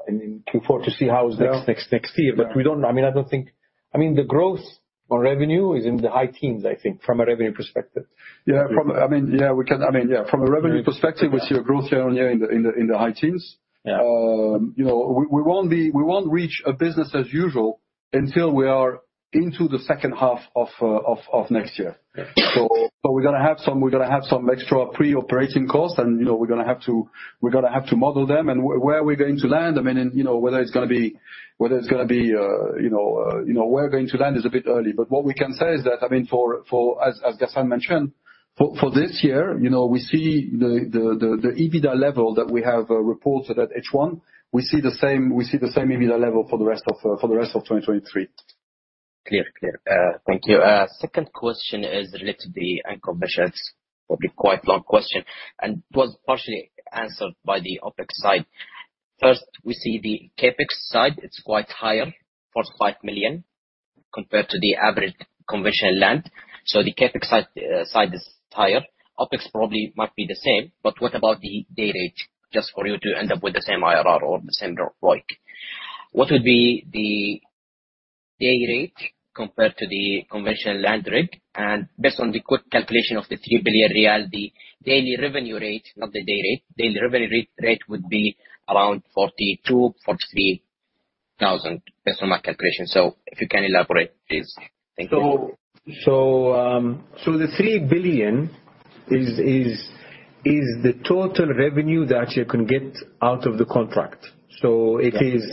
in Q4 to see how it's next year. Yeah. I mean, I don't think I mean, the growth on revenue is in the high teens, I think, from a revenue perspective. I mean, yeah, from a revenue perspective, we see a growth year-on-year in the high teens. Yeah. you know, we won't reach a business as usual until we are into the second half of next year. Yeah. We're gonna have some, we're gonna have some extra pre-operating costs, and, you know, we're gonna have to, we're gonna have to model them. Where are we going to land? I mean, you know, whether it's gonna be, whether it's gonna be, you know, you know, where we're going to land is a bit early. What we can say is that, I mean, for, for As, as Ghassan mentioned, for, for this year, you know, we see the, the, the, the EBITDA level that we have, reported at H1, we see the same, we see the same EBITDA level for the rest of, for the rest of 2023. Clear. Clear. Thank you. Second question is related to the unconventionals. Probably quite long question, and it was partially answered by the OpEx side. First, we see the CapEx side, it's quite higher, 45 million, compared to the average conventional land. The CapEx side, side is higher. OpEx probably might be the same, but what about the day rate, just for you to end up with the same IRR or the same ROI? What would be the day rate compared to the conventional land rig? Based on the quick calculation of the SAR 3 billion, the daily revenue rate, not the day rate, daily revenue rate would be around 42,000-43,000, based on my calculation. If you can elaborate, please. Thank you. The 3 billion is the total revenue that you can get out of the contract. Okay. It is,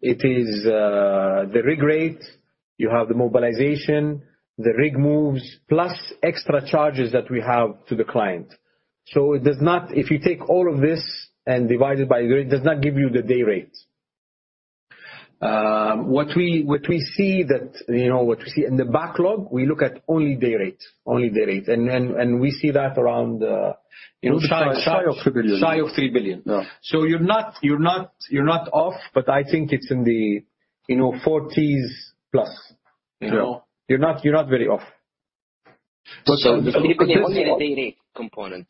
it is the rig rate, you have the mobilization, the rig moves, plus extra charges that we have to the client. It does not. If you take all of this and divide it by the rate, it does not give you the day rate. What we, what we see that, you know, what we see in the backlog, we look at only day rate. Only day rate, and then, we see that around, you know. shy of 3 billion. Shy of 3 billion. Yeah. You're not, you're not, you're not off, but I think it's in the, you know, 40s plus. Yeah. You know, you're not, you're not very off. The only the day rate component?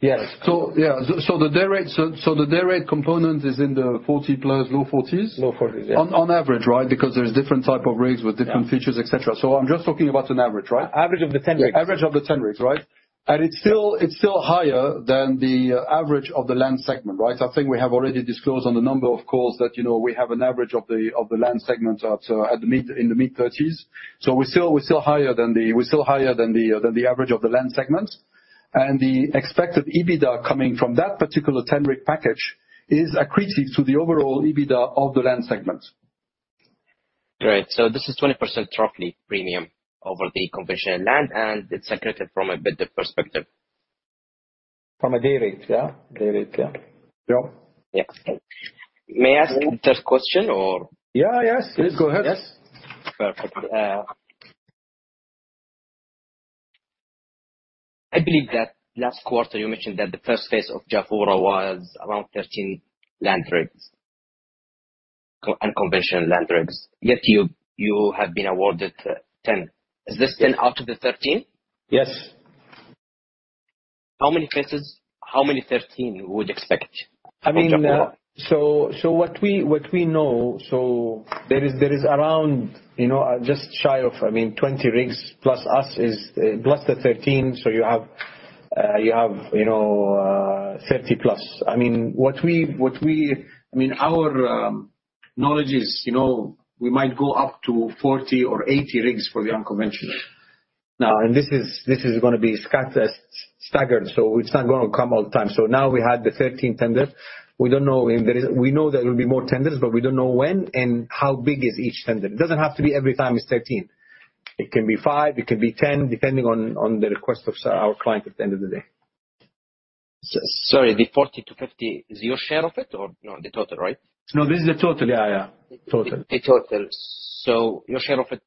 Yes. yeah. The day rate, the day rate component is in the 40 plus, low 40s? Low forties, yeah. On average, right? Because there's different type of rigs with different- Yeah -features, et cetera. I'm just talking about an average, right? Average of the 10 rigs. Average of the 10 rigs, right? It's still, it's still higher than the average of the land segment, right? I think we have already disclosed on a number of calls that, you know, we have an average of the land segment at the mid-30s. We're still higher than the average of the land segment. The expected EBITDA coming from that particular 10 rig package is accretive to the overall EBITDA of the land segment. Great. This is 20% roughly premium over the conventional land, and it's accretive from a bid perspective. From a day rate, yeah. Day rate, yeah. Yeah. Yeah. May I ask the third question or? Yeah, yes. Please, go ahead. Yes. Perfect. I believe that last quarter you mentioned that the first phase of Jafurah was around 13 land rigs, unconventional land rigs, yet you, you have been awarded 10. Is this 10 out of the 13? Yes. How many phases, how many 13 you would expect from Jafurah? I mean, so what we, what we know, so there is, there is around, you know, just shy of, I mean, 20 rigs plus us is, plus the 13. You have, you have, you know, 30 plus. I mean, what we, I mean, our knowledge is, you know, we might go up to 40 or 80 rigs for the unconventional. This is, this is gonna be scattered, staggered, so it's not gonna come all the time. Now we had the 13 tenders. We don't know if there is. We know there will be more tenders, but we don't know when and how big is each tender. It doesn't have to be every time it's 13, it can be five, it can be 10, depending on, on the request of our client at the end of the day. Sorry, the 40 to 50, is your share of it or no, the total, right? No, this is the total. Yeah, yeah. Total. The total. Your share of it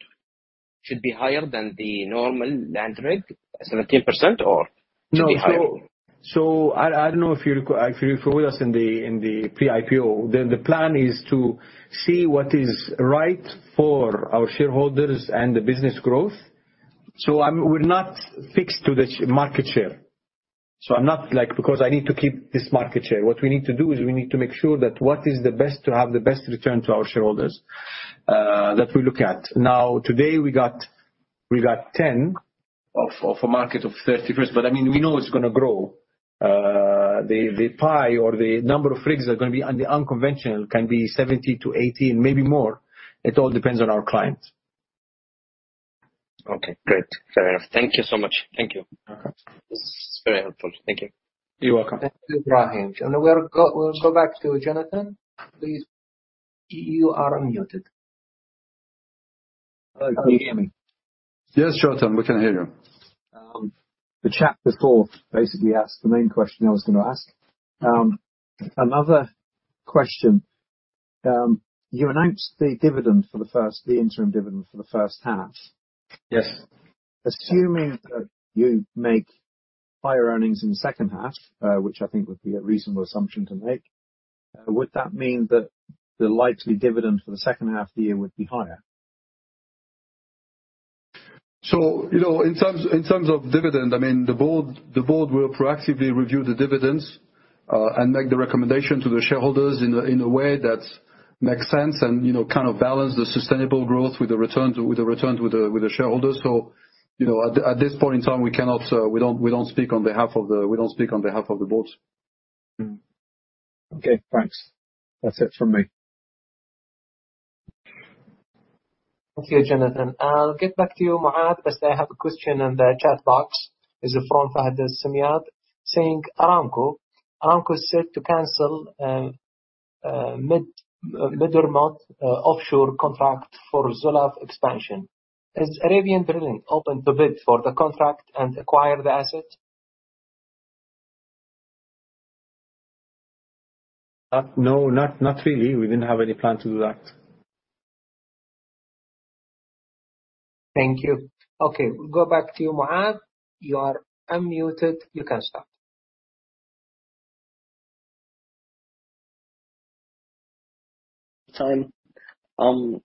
should be higher than the normal land rig, 17%, or should be higher? No. I, I don't know if you were with us in the, in the pre-IPO, then the plan is to see what is right for our shareholders and the business growth. We're not fixed to the market share. I'm not like, "Because I need to keep this market share." What we need to do is we need to make sure that what is the best to have the best return to our shareholders, that we look at. Now, today, we got, we got 10 of, of a market of 30%, but, I mean, we know it's gonna grow. The, the pie or the number of rigs are gonna be on the unconventional, can be 70-80, maybe more. It all depends on our clients. Okay, great. Fair enough. Thank you so much. Thank you. Okay. This is very helpful. Thank you. You're welcome. Thank you, Ibrahim. We'll go back to Jonathan. Please, you are unmuted. Can you hear me? Yes, sure thing. We can hear you. The chat before basically asked the main question I was gonna ask. Another question, you announced the interim dividend for the first half. Yes. Assuming that you make higher earnings in the second half, which I think would be a reasonable assumption to make, would that mean that the likely dividend for the second half of the year would be higher? You know, in terms, in terms of dividend, I mean, the board, the board will proactively review the dividends, and make the recommendation to the shareholders in a, in a way that makes sense and, you know, kind of balance the sustainable growth with the returns, with the returns with the, with the shareholders. You know, at, at this point in time, we cannot, we don't, we don't speak on behalf of the board. Okay, thanks. That's it from me. Okay, Jonathan. I'll get back to you, Mohad, but I have a question in the chat box. Is from Fahad Al-Saad, saying, "Aramco is set to cancel, a mid, mid-year month, offshore contract for Zuluf expansion. Is Arabian Drilling open to bid for the contract and acquire the asset? No, not, not really. We didn't have any plan to do that. Thank you. Okay, we go back to you, Mohad. You are unmuted. You can start. Time. I'm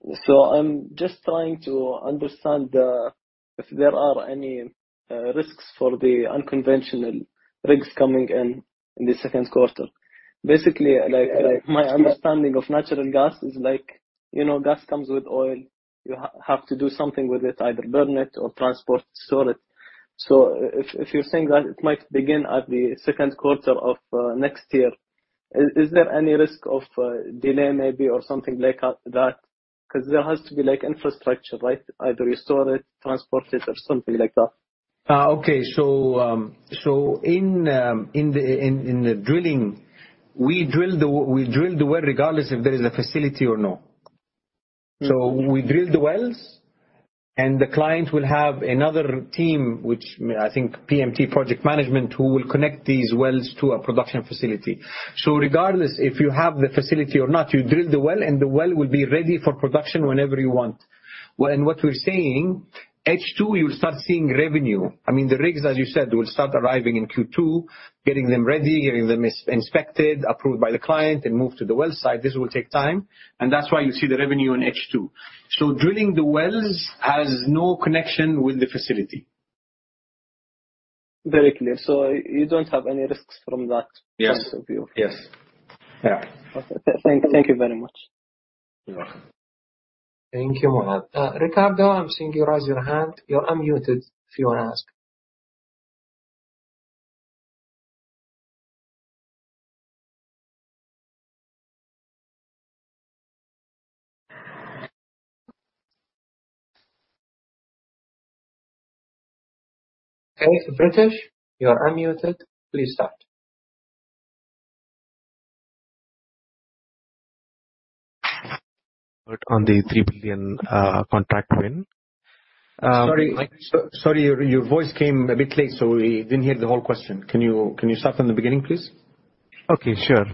just trying to understand if there are any risks for the unconventional rigs coming in in the second quarter. Like, like, my understanding of natural gas is like, you know, gas comes with oil. You have to do something with it, either burn it or transport, store it. If, if you're saying that it might begin at the second quarter of next year, is, is there any risk of delay maybe or something like that? Cause there has to be, like, infrastructure, right? Either you store it, transport it, or something like that. Okay. In the drilling, we drill the well regardless if there is a facility or no. Mm. We drill the wells, and the client will have another team, which I think PMT, project management, who will connect these wells to a production facility. Regardless if you have the facility or not, you drill the well, and the well will be ready for production whenever you want. What we're saying, H2, you'll start seeing revenue. I mean, the rigs, as you said, will start arriving in Q2, getting them ready, getting them inspected, approved by the client, and moved to the well site. This will take time, and that's why you'll see the revenue in H2. Drilling the wells has no connection with the facility. Very clear. you don't have any risks from that- Yes. point of view? Yes. Yeah. Okay. Thank, thank you very much. You're welcome. Thank you, Mohad. Ricardo, I'm seeing you raise your hand. You're unmuted if you want to ask. Okay, Pritish, you are unmuted. Please start. On the 3 billion contract win. Sorry, your voice came a bit late. We didn't hear the whole question. Can you start from the beginning, please? Okay, sure.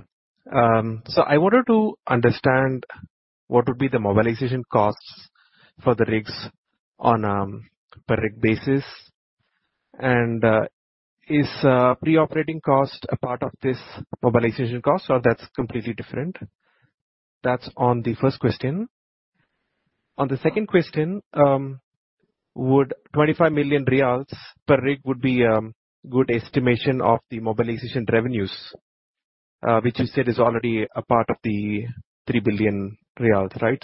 I wanted to understand what would be the mobilization costs for the rigs on a per rig basis. Is pre-operating cost a part of this mobilization cost, or that's completely different? That's on the first question. On the second question, would 25 million riyals per rig would be a good estimation of the mobilization revenues, which you said is already a part of the 3 billion riyals, right?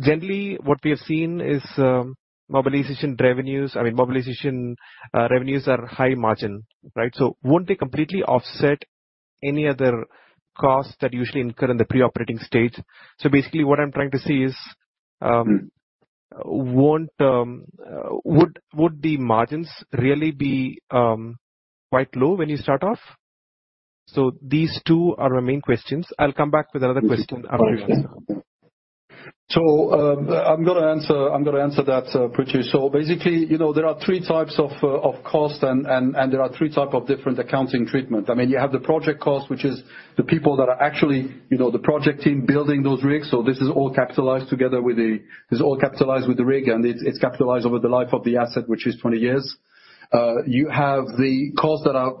Generally, what we have seen is, mobilization revenues-- I mean, mobilization revenues are high margin, right? Won't they completely offset any other costs that usually incur in the pre-operating stage? Basically, what I'm trying to say is- Mm. Would, would the margins really be quite low when you start off? These two are our main questions. I'll come back with another question after you answer. I'm gonna answer, I'm gonna answer that, Pritish. Basically, you know, there are three types of cost and, and, and there are three type of different accounting treatment. I mean, you have the project cost, which is the people that are actually, you know, the project team building those rigs. This is all capitalized with the rig, and it's, it's capitalized over the life of the asset, which is 20 years. You have the costs that are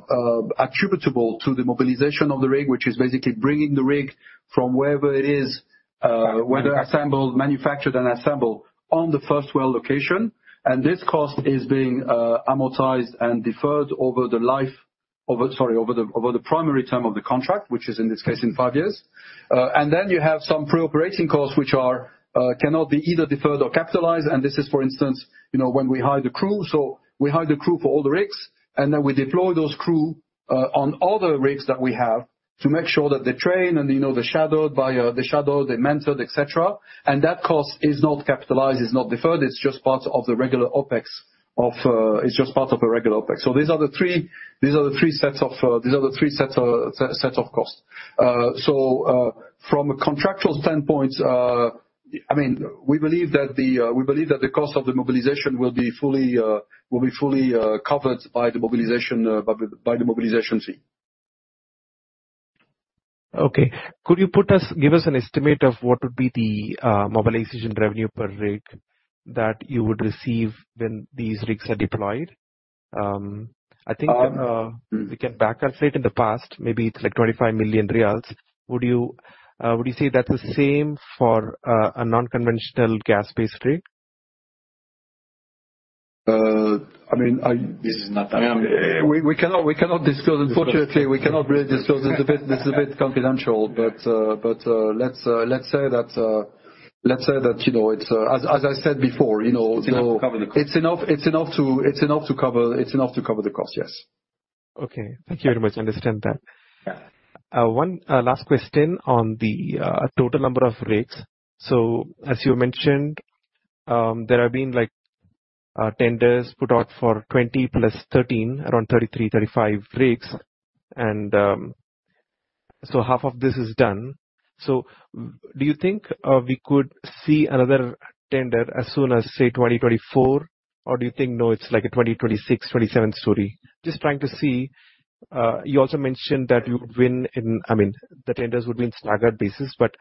attributable to the mobilization of the rig, which is basically bringing the rig from wherever it is, whether assembled, manufactured, and assembled on the first well location. This cost is being amortized and deferred over the life of a... ver the primary term of the contract, which is, in this case, in five years. And then you have some pre-operating costs, which are, cannot be either deferred or capitalized, and this is, for instance, you know, when we hire the crew. So we hire the crew for all the rigs, and then we deploy those crew on all the rigs that we have to make sure that they're trained and, you know, they're shadowed by, they're shadowed, they're mentored, et cetera. And that cost is not capitalized, it's not deferred, it's just part of the regular OpEx of, it's just part of a regular OpEx. So these are the three, these are the three sets of, these are the three sets of, sets of costs. standpoint, I mean, we believe that the cost of the mobilization will be fully covered by the mobilization fee Okay. Could you give us an estimate of what would be the mobilization revenue per rig that you would receive when these rigs are deployed? I think we can back calculate in the past, maybe it's like 25 million riyals. Would you say that's the same for a non-conventional gas-based rig? I mean, I- This is not- We cannot, we cannot discuss. Unfortunately, we cannot really discuss. This is a bit confidential, but let's say that let's say that, you know, it's as I said before, you know. It's enough to cover the cost. It's enough, it's enough to, it's enough to cover, it's enough to cover the cost. Yes. Okay. Thank you very much. I understand that. One last question on the total number of rigs. As you mentioned, there have been, like, tenders put out for 20 + 13, around 33, 35 rigs, and half of this is done. Do you think we could see another tender as soon as, say, 2024? Or do you think, no, it's like a 2026, 2027 story? Just trying to see. You also mentioned that you would win in... I mean, the tenders would be in staggered basis, but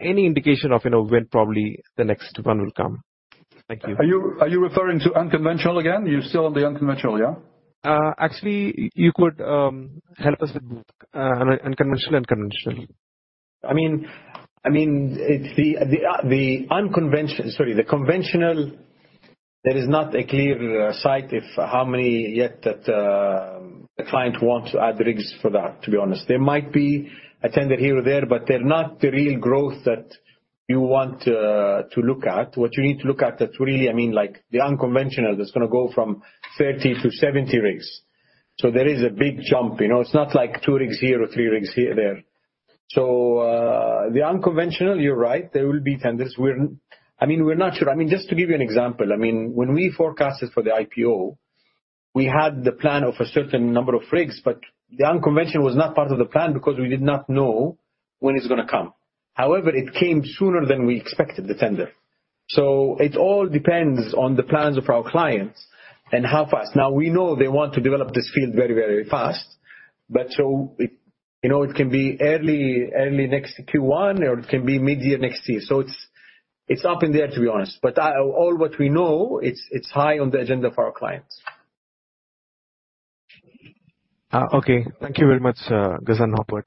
any indication of, you know, when probably the next one will come? Thank you. Are you, are you referring to unconventional again? You're still on the unconventional, yeah? actually, you could help us with unconventional and conventional. I mean, I mean, it's the, the, the unconventional, sorry, the conventional, there is not a clear sight if how many yet that, the client wants to add rigs for that, to be honest. There might be a tender here or there, but they're not the real growth that you want, to look at. What you need to look at that really, I mean, like the unconventional, that's gonna go from 30- 70 rigs. There is a big jump, you know. It's not like two rigs here or three rigs here, there. The unconventional, you're right, there will be tenders. We're, I mean, we're not sure. I mean, just to give you an example, I mean, when we forecasted for the IPO, we had the plan of a certain number of rigs, but the unconventional was not part of the plan because we did not know when it's gonna come. It came sooner than we expected, the tender. It all depends on the plans of our clients and how fast. Now, we know they want to develop this field very, very fast, but, you know, it can be early, early next Q1, or it can be midyear next year. It's, it's up in the air, to be honest. All what we know, it's, it's high on the agenda of our clients. Okay. Thank you very much, Ghassan Mirdad.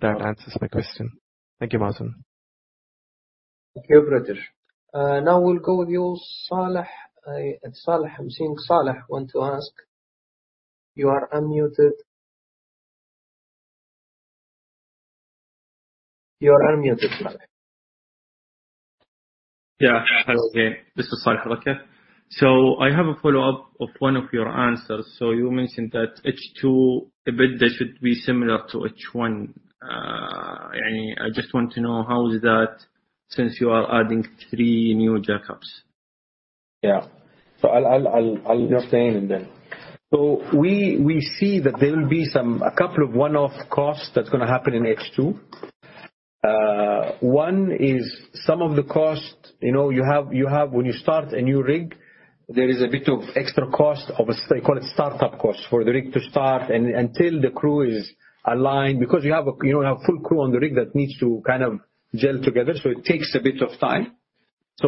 That answers my question. Thank you, Mazen AlSudairi. Thank you, Pritish. Now we'll go with you, Saleh. Saleh, I'm seeing Saleh want to ask. You are unmuted. You are unmuted, Saleh. Yeah. Hello again. This is Saleh Rakee. I have a follow-up of one of your answers. You mentioned that H2, a bit, that should be similar to H1. I, I just want to know how is that, since you are adding three new jackups? Yeah. I'll, I'll, I'll, I'll explain then. We, we see that there will be some, a couple of one-off costs that's gonna happen in H2. One is some of the costs, you know, you have, you have-- When you start a new rig, there is a bit of extra cost, they call it startup cost, for the rig to start and, until the crew is aligned. Because you have a, you don't have full crew on the rig that needs to kind of gel together, so it takes a bit of time.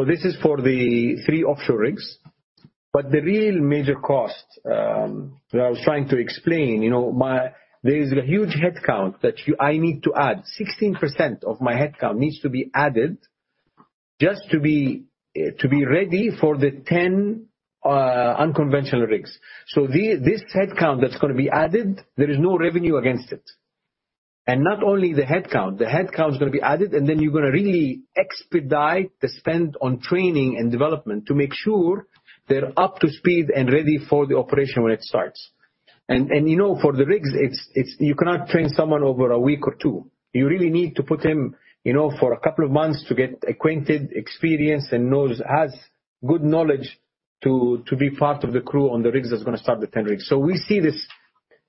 This is for the 3 offshore rigs. The real major cost, that I was trying to explain, you know, There is a huge headcount that you, I need to add. 16% of my headcount needs to be added just to be ready for the 10 unconventional rigs. This headcount that's gonna be added, there is no revenue against it. Not only the headcount, the headcount is gonna be added, and then you're gonna really expedite the spend on training and development to make sure they're up to speed and ready for the operation when it starts. You know, for the rigs, it's, you cannot train someone over a week or two. You really need to put him, you know, for a couple of months to get acquainted, experienced, and knows, has good knowledge to be part of the crew on the rigs that's gonna start the 10 rigs. We see this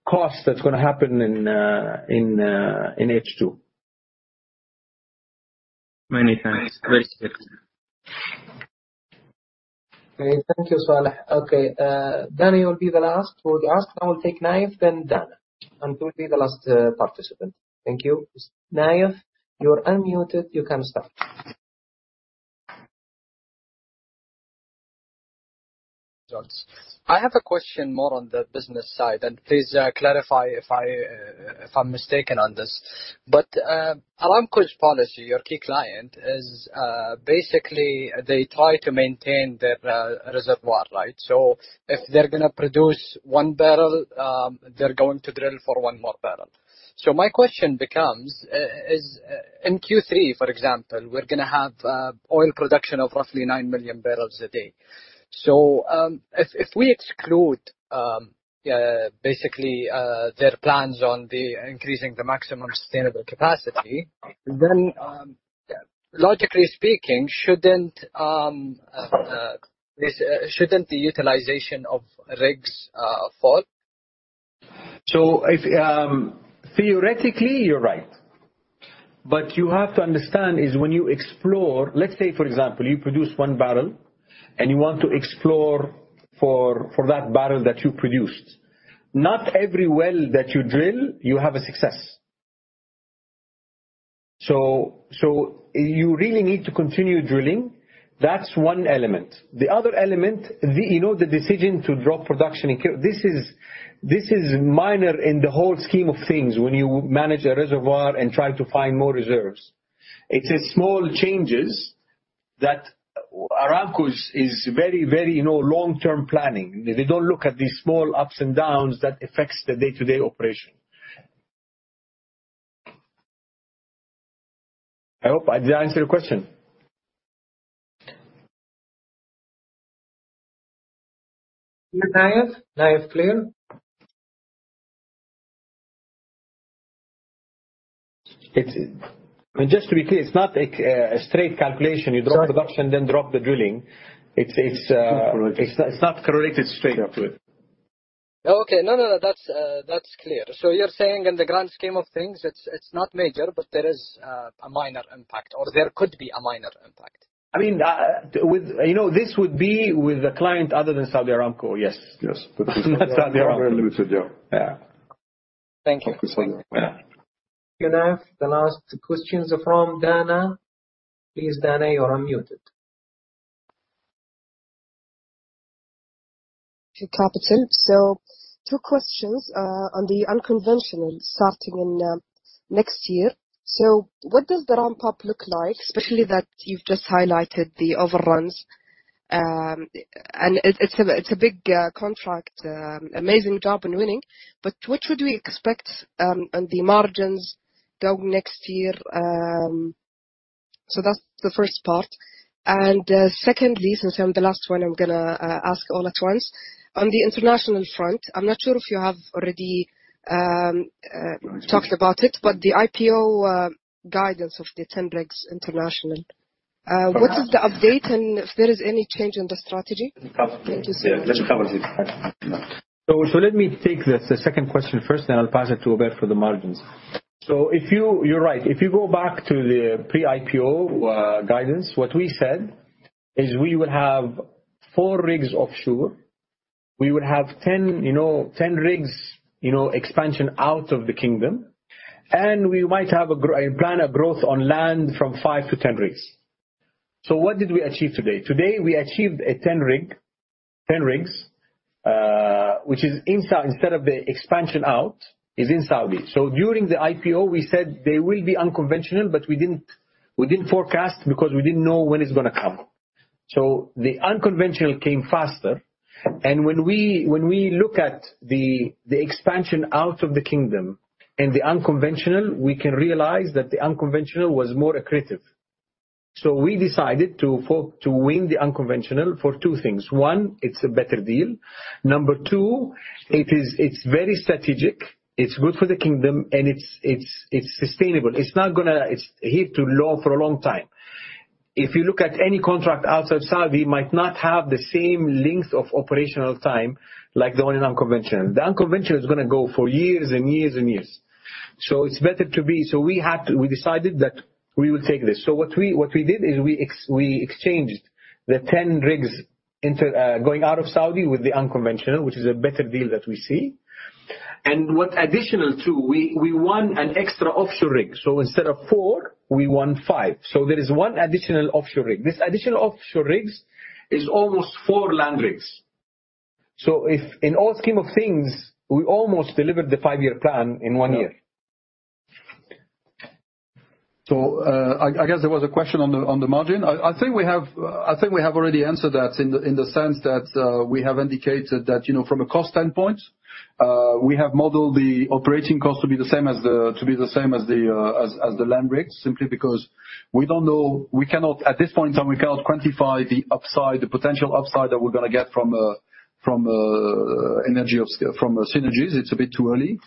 cost that's gonna happen in H2. Many thanks. Very strict. Okay, thank you, Saleh. Okay, Danny will be the last. For the last, I will take Naif, then Dana, and you will be the last participant. Thank you. Naif, you're unmuted. You can start. I have a question more on the business side, and please, clarify if I, if I'm mistaken on this. Aramco's policy, your key client, is basically they try to maintain their reservoir, right? If they're gonna produce one barrel, they're going to drill for one more barrel. My question becomes, is in Q3, for example, we're gonna have oil production of roughly 9 million barrels a day. If, if we exclude, basically, their plans on the increasing the maximum sustainable capacity, then, logically speaking, shouldn't the utilization of rigs fall? If, Theoretically, you're right. You have to understand is when you explore Let's say, for example, you produce one barrel, and you want to explore for, for that barrel that you produced. Not every well that you drill, you have a success. So you really need to continue drilling. That's one element. The other element, the, you know, the decision to drop production in. This is, this is minor in the whole scheme of things when you manage a reservoir and try to find more reserves. It's a small changes that Aramco is, is very, very, you know, long-term planning. They don't look at these small ups and downs that affects the day-to-day operation. I hope. Did I answer your question? Naif. Naif, clear. It's, and just to be clear, it's not a, a straight calculation. Sure. You drop production, then drop the drilling. It's, it's. Correct. It's not, it's not correlated straight up to it. Okay. No, no, no, that's, that's clear. You're saying in the grand scheme of things, it's, it's not major, but there is a minor impact, or there could be a minor impact. I mean, with, you know, this would be with a client other than Saudi Aramco. Yes. Yes. Not Saudi Aramco. Very limited, yeah. Yeah. Thank you. Yeah. Thank you, Naif. The last questions are from Dana. Please, Dana, you're unmuted. Thank you, Kapitan. Two questions on the unconventional starting in next year. What does the ramp-up look like, especially that you've just highlighted the overruns? It's a big contract, amazing job in winning. What should we expect on the margins down next year? That's the first part. Secondly, since I'm the last one, I'm gonna ask all at once. On the international front, I'm not sure if you have already talked about it, the IPO guidance of the 10 rigs internationally. What is the update, if there is any change in the strategy? Thank you so much. Let her cover it. So let me take the, the second question first, then I'll pass it to Hubert for the margins. If you. You're right. If you go back to the pre-IPO guidance, what we said is we would have four rigs offshore. We would have 10, you know, 10 rigs, you know, expansion out of the kingdom, and we might have a plan of growth on land from five to 10 rigs. What did we achieve today? Today, we achieved a 10 rig, 10 rigs, which is instead of the expansion out, is in Saudi. During the IPO, we said they will be unconventional, but we didn't, we didn't forecast because we didn't know when it's gonna come. The unconventional came faster, and when we, when we look at the, the expansion out of the kingdom and the unconventional, we can realize that the unconventional was more accretive. We decided to win the unconventional for two things: one, it's a better deal. Number two, it is, it's very strategic, it's good for the kingdom, and it's, it's, it's sustainable. It's not gonna, it's here to last for a long time. If you look at any contract outside Saudi, might not have the same length of operational time like the one in unconventional. The unconventional is gonna go for years and years and years. It's better. We decided that we will take this. what we, what we did is we exchanged the 10 rigs into going out of Saudi with the unconventional, which is a better deal that we see. what additional, too, we, we won an extra offshore rig. instead of four, we won five. there is one additional offshore rig. This additional offshore rigs is almost four land rigs. if in all scheme of things, we almost delivered the five-year plan in one year. I guess there was a question on the margin. I think we have already answered that in the sense that we have indicated that, you know, from a cost standpoint, we have modeled the operating cost to be the same as the land rigs, simply because we don't know. We cannot, at this point in time, we cannot quantify the upside, the potential upside that we're gonna get from energy of scale, from the synergies. It's a bit too early.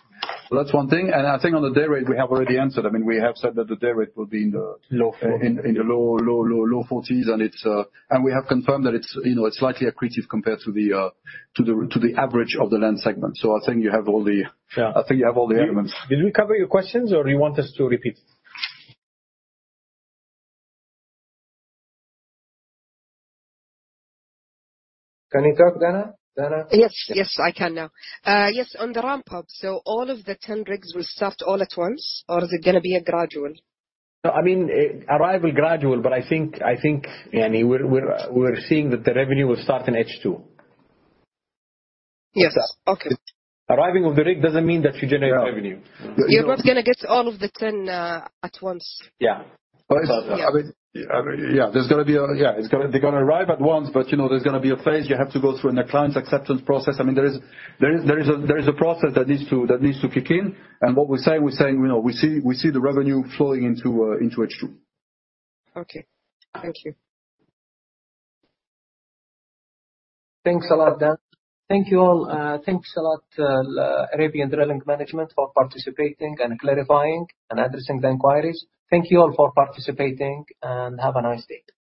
That's one thing. I think on the day rate, we have already answered. I mean, we have said that the day rate will be in the. Low four. -in, in the low, low, low, low 40s, and it's. We have confirmed that it's, you know, it's slightly accretive compared to the, to the, to the average of the land segment. I think you have all the- Yeah. I think you have all the elements. Did we cover your questions, or you want us to repeat? Can you talk, Dana? Dana? Yes. Yes, I can now. Yes, on the ramp-up, all of the 10 rigs will start all at once, or is it gonna be a gradual? No, I mean, arrival gradual, but I think, I think, I mean, we're, we're, we're seeing that the revenue will start in H2. Yes. Okay. Arriving of the rig doesn't mean that you generate revenue. Yeah. You're not gonna get all of the 10 at once? Yeah. I mean- Yeah. I mean, yeah, there's gonna be. Yeah, it's they're gonna arrive at once, but, you know, there's gonna be a phase you have to go through in the client's acceptance process. I mean, there is, there is, there is a, there is a process that needs to, that needs to kick in. What we're saying, we're saying, you know, we see, we see the revenue flowing into H2. Okay. Thank you. Thanks a lot, Dana. Thank you, all. Thanks a lot, Arabian Drilling Management, for participating and clarifying and addressing the inquiries. Thank you all for participating, and have a nice day. Bye-bye.